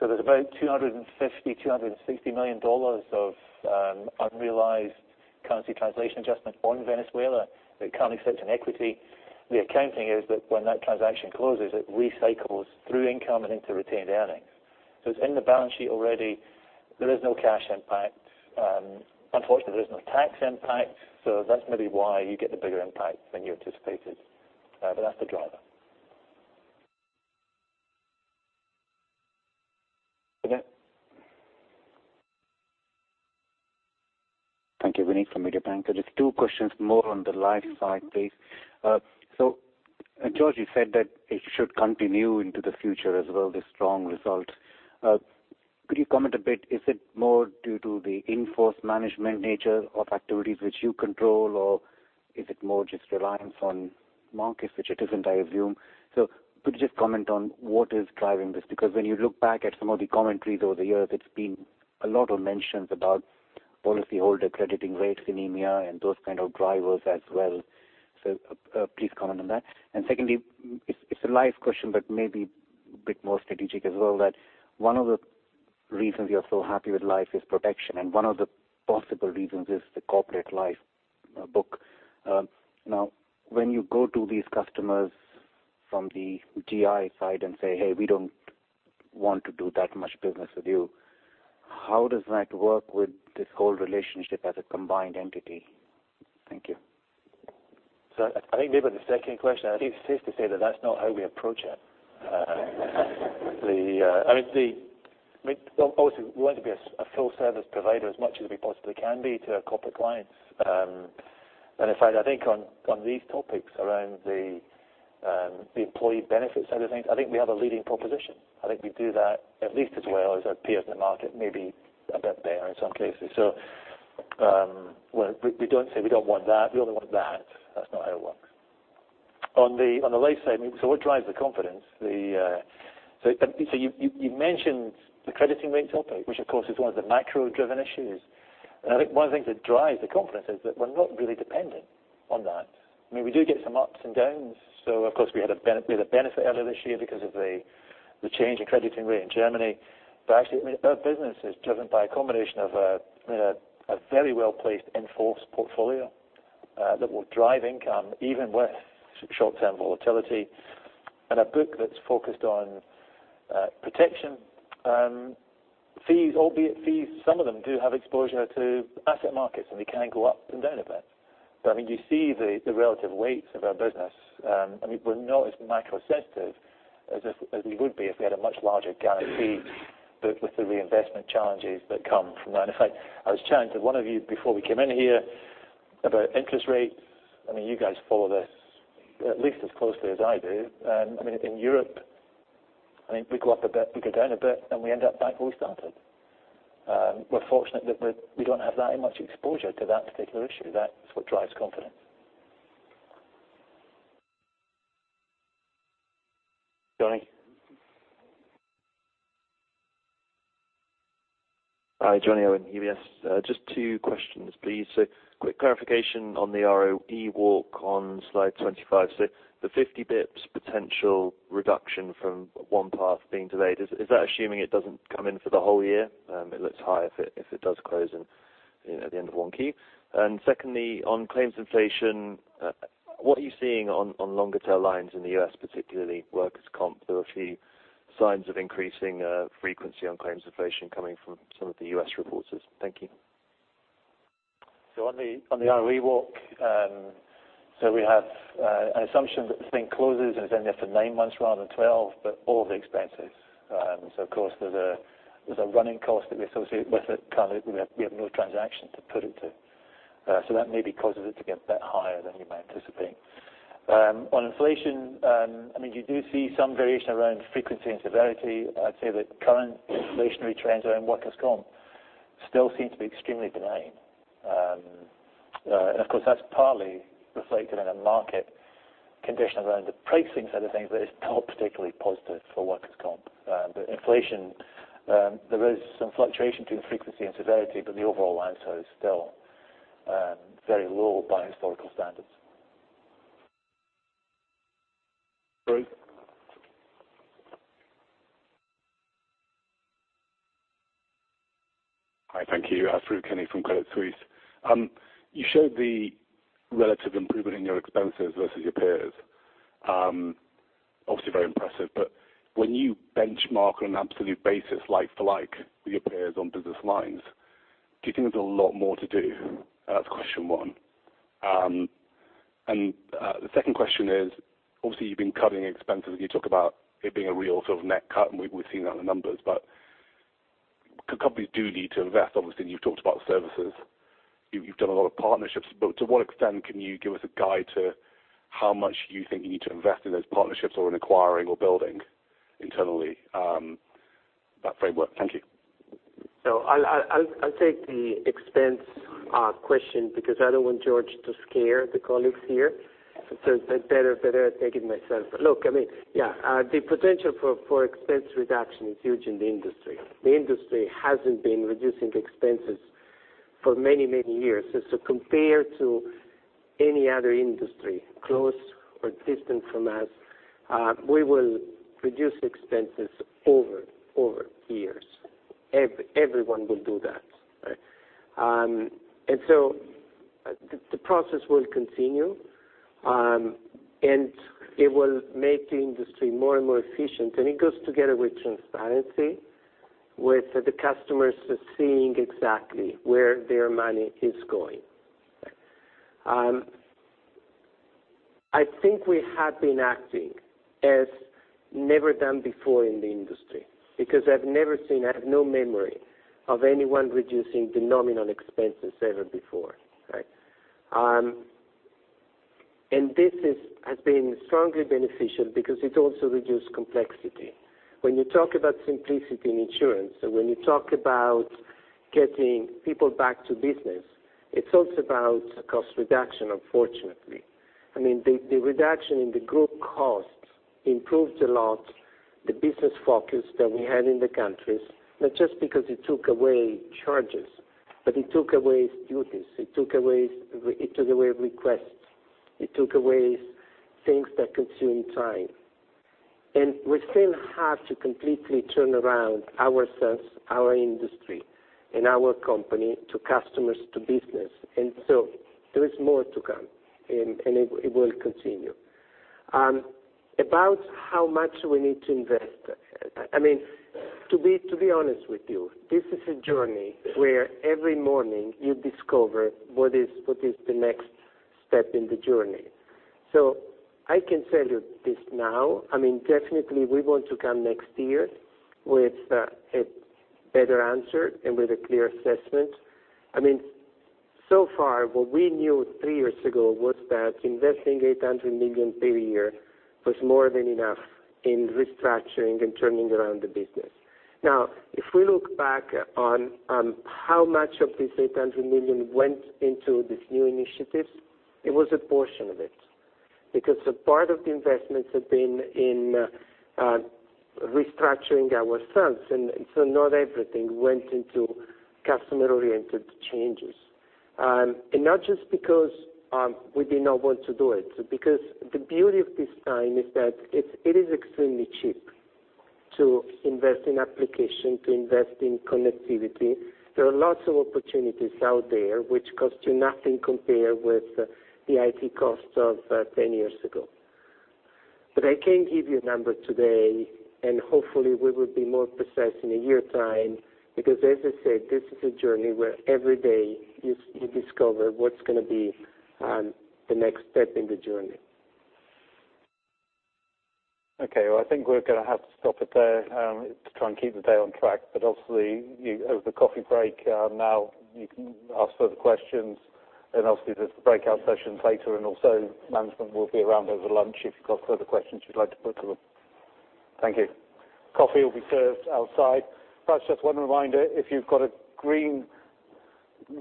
there is about 250 million, CHF 260 million of unrealized currency translation adjustment on Venezuela that currently sits in equity. The accounting is that when that transaction closes, it recycles through income and into retained earnings. It is in the balance sheet already. There is no cash impact. Unfortunately, there is no tax impact. That is maybe why you get the bigger impact than you anticipated. That is the driver. Vinit? Thank you, Vinit from Mediobanca. Just two questions more on the life side, please. George, you said that it should continue into the future as well, this strong result. Could you comment a bit? Is it more due to the in-force management nature of activities which you control, or is it more just reliance on markets, which it isn't, I assume? Could you just comment on what is driving this? Because when you look back at some of the commentaries over the years, it has been a lot of mentions about policyholder crediting rates in EMEA and those kind of drivers as well. Please comment on that. Secondly, it is a life question, but maybe a bit more strategic as well, that one of the reasons you are so happy with life is protection, and one of the possible reasons is the corporate life book. When you go to these customers from the GI side and say, "Hey, we don't want to do that much business with you," how does that work with this whole relationship as a combined entity? Thank you. I think maybe the second question, I think it's safe to say that that's not how we approach it. Obviously, we want to be a full service provider as much as we possibly can be to our corporate clients. In fact, I think on these topics around the employee benefits side of things, I think we have a leading proposition. I think we do that at least as well as our peers in the market, maybe a bit better in some cases. We don't say, "We don't want that. We only want that." That's not how it works. On the life side, so what drives the confidence? You mentioned the crediting rates topic, which of course is one of the macro driven issues. I think one of the things that drives the confidence is that we're not really dependent on that. We do get some ups and downs. Of course, we had a benefit earlier this year because of the change in crediting rate in Germany. Actually, our business is driven by a combination of a very well-placed in-force portfolio that will drive income even with some short-term volatility, and a book that's focused on protection. Fees, albeit fees, some of them do have exposure to asset markets, and they can go up and down a bit. You see the relative weights of our business. We're not as macro sensitive as we would be if we had a much larger guarantee, but with the reinvestment challenges that come from that. In fact, I was chatting to one of you before we came in here about interest rates. You guys follow this at least as closely as I do. In Europe, we go up a bit, we go down a bit, we end up back where we started. We're fortunate that we don't have that much exposure to that particular issue. That's what drives confidence. Jonny? Hi, Jonny Sheridan, UBS. Quick clarification on the ROE walk on slide 25. The 50 basis points potential reduction from OnePath being delayed, is that assuming it doesn't come in for the whole year? It looks high if it does close in at the end of 1Q. Secondly, on claims inflation, what are you seeing on longer tail lines in the U.S., particularly workers' comp? There were a few signs of increasing frequency on claims inflation coming from some of the U.S. reporters. Thank you. On the ROE walk, we have an assumption that this thing closes, and it's only there for nine months rather than 12, but all of the expenses. Of course, there's a running cost that we associate with it. We have no transaction to put it to. That maybe causes it to get a bit higher than we might anticipate. On inflation, you do see some variation around frequency and severity. I'd say the current inflationary trends around workers' comp still seem to be extremely benign. Of course, that's partly reflected in a market condition around the pricing side of things, but it's not particularly positive for workers' comp. Inflation, there is some fluctuation between frequency and severity, but the overall answer is still very low by historical standards. Bruce? Hi, thank you. It's Bruce Kenney from Credit Suisse. You showed the relative improvement in your expenses versus your peers. Obviously very impressive. When you benchmark on an absolute basis like for like with your peers on business lines, do you think there's a lot more to do? That's question one. The second question is, obviously, you've been cutting expenses. You talk about it being a real sort of net cut, and we've seen that in the numbers. Companies do need to invest. Obviously, you've talked about services. You've done a lot of partnerships. To what extent can you give us a guide to how much you think you need to invest in those partnerships or in acquiring or building internally? That framework. Thank you. I'll take the expense question because I don't want George to scare the colleagues here. It's better if I take it myself. Look, the potential for expense reduction is huge in the industry. The industry hasn't been reducing the expenses for many, many years. Compared to any other industry, close or distant from us, we will reduce expenses over years. Everyone will do that. The process will continue, and it will make the industry more and more efficient. It goes together with transparency, with the customers seeing exactly where their money is going. I think we have been acting as never done before in the industry because I've never seen, I have no memory of anyone reducing the nominal expenses ever before. This has been strongly beneficial because it also reduced complexity. When you talk about simplicity in insurance and when you talk about getting people back to business, it's also about cost reduction, unfortunately. The reduction in the group costs improved a lot the business focus that we had in the countries, not just because it took away charges, but it took away duties, it took away requests, it took away things that consume time. We still have to completely turn around ourselves, our industry, and our company to customers, to business. There is more to come, and it will continue. About how much we need to invest. To be honest with you, this is a journey where every morning you discover what is the next step in the journey. I can tell you this now, definitely we want to come next year with a better answer and with a clear assessment. Far, what we knew three years ago was that investing 800 million per year was more than enough in restructuring and turning around the business. Now, if we look back on how much of this 800 million went into these new initiatives, it was a portion of it. A part of the investments have been in restructuring ourselves, and so not everything went into customer-oriented changes. Not just because we did not want to do it, because the beauty of this time is that it is extremely cheap to invest in application, to invest in connectivity. There are lots of opportunities out there which cost you nothing compared with the IT costs of 10 years ago. I can't give you a number today, and hopefully, we will be more precise in a year time, because as I said, this is a journey where every day you discover what's going to be the next step in the journey. Okay. Well, I think we're going to have to stop it there to try and keep the day on track. Obviously, you have the coffee break now. You can ask further questions. Obviously, there's the breakout sessions later, and also management will be around over lunch if you've got further questions you'd like to put to them. Thank you. Coffee will be served outside. Perhaps just one reminder, if you've got a green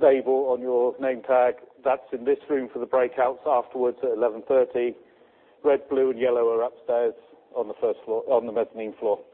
label on your name tag, that's in this room for the breakouts afterwards at 11:30. Red, blue, and yellow are upstairs on the first floor, on the mezzanine floor. Thank you.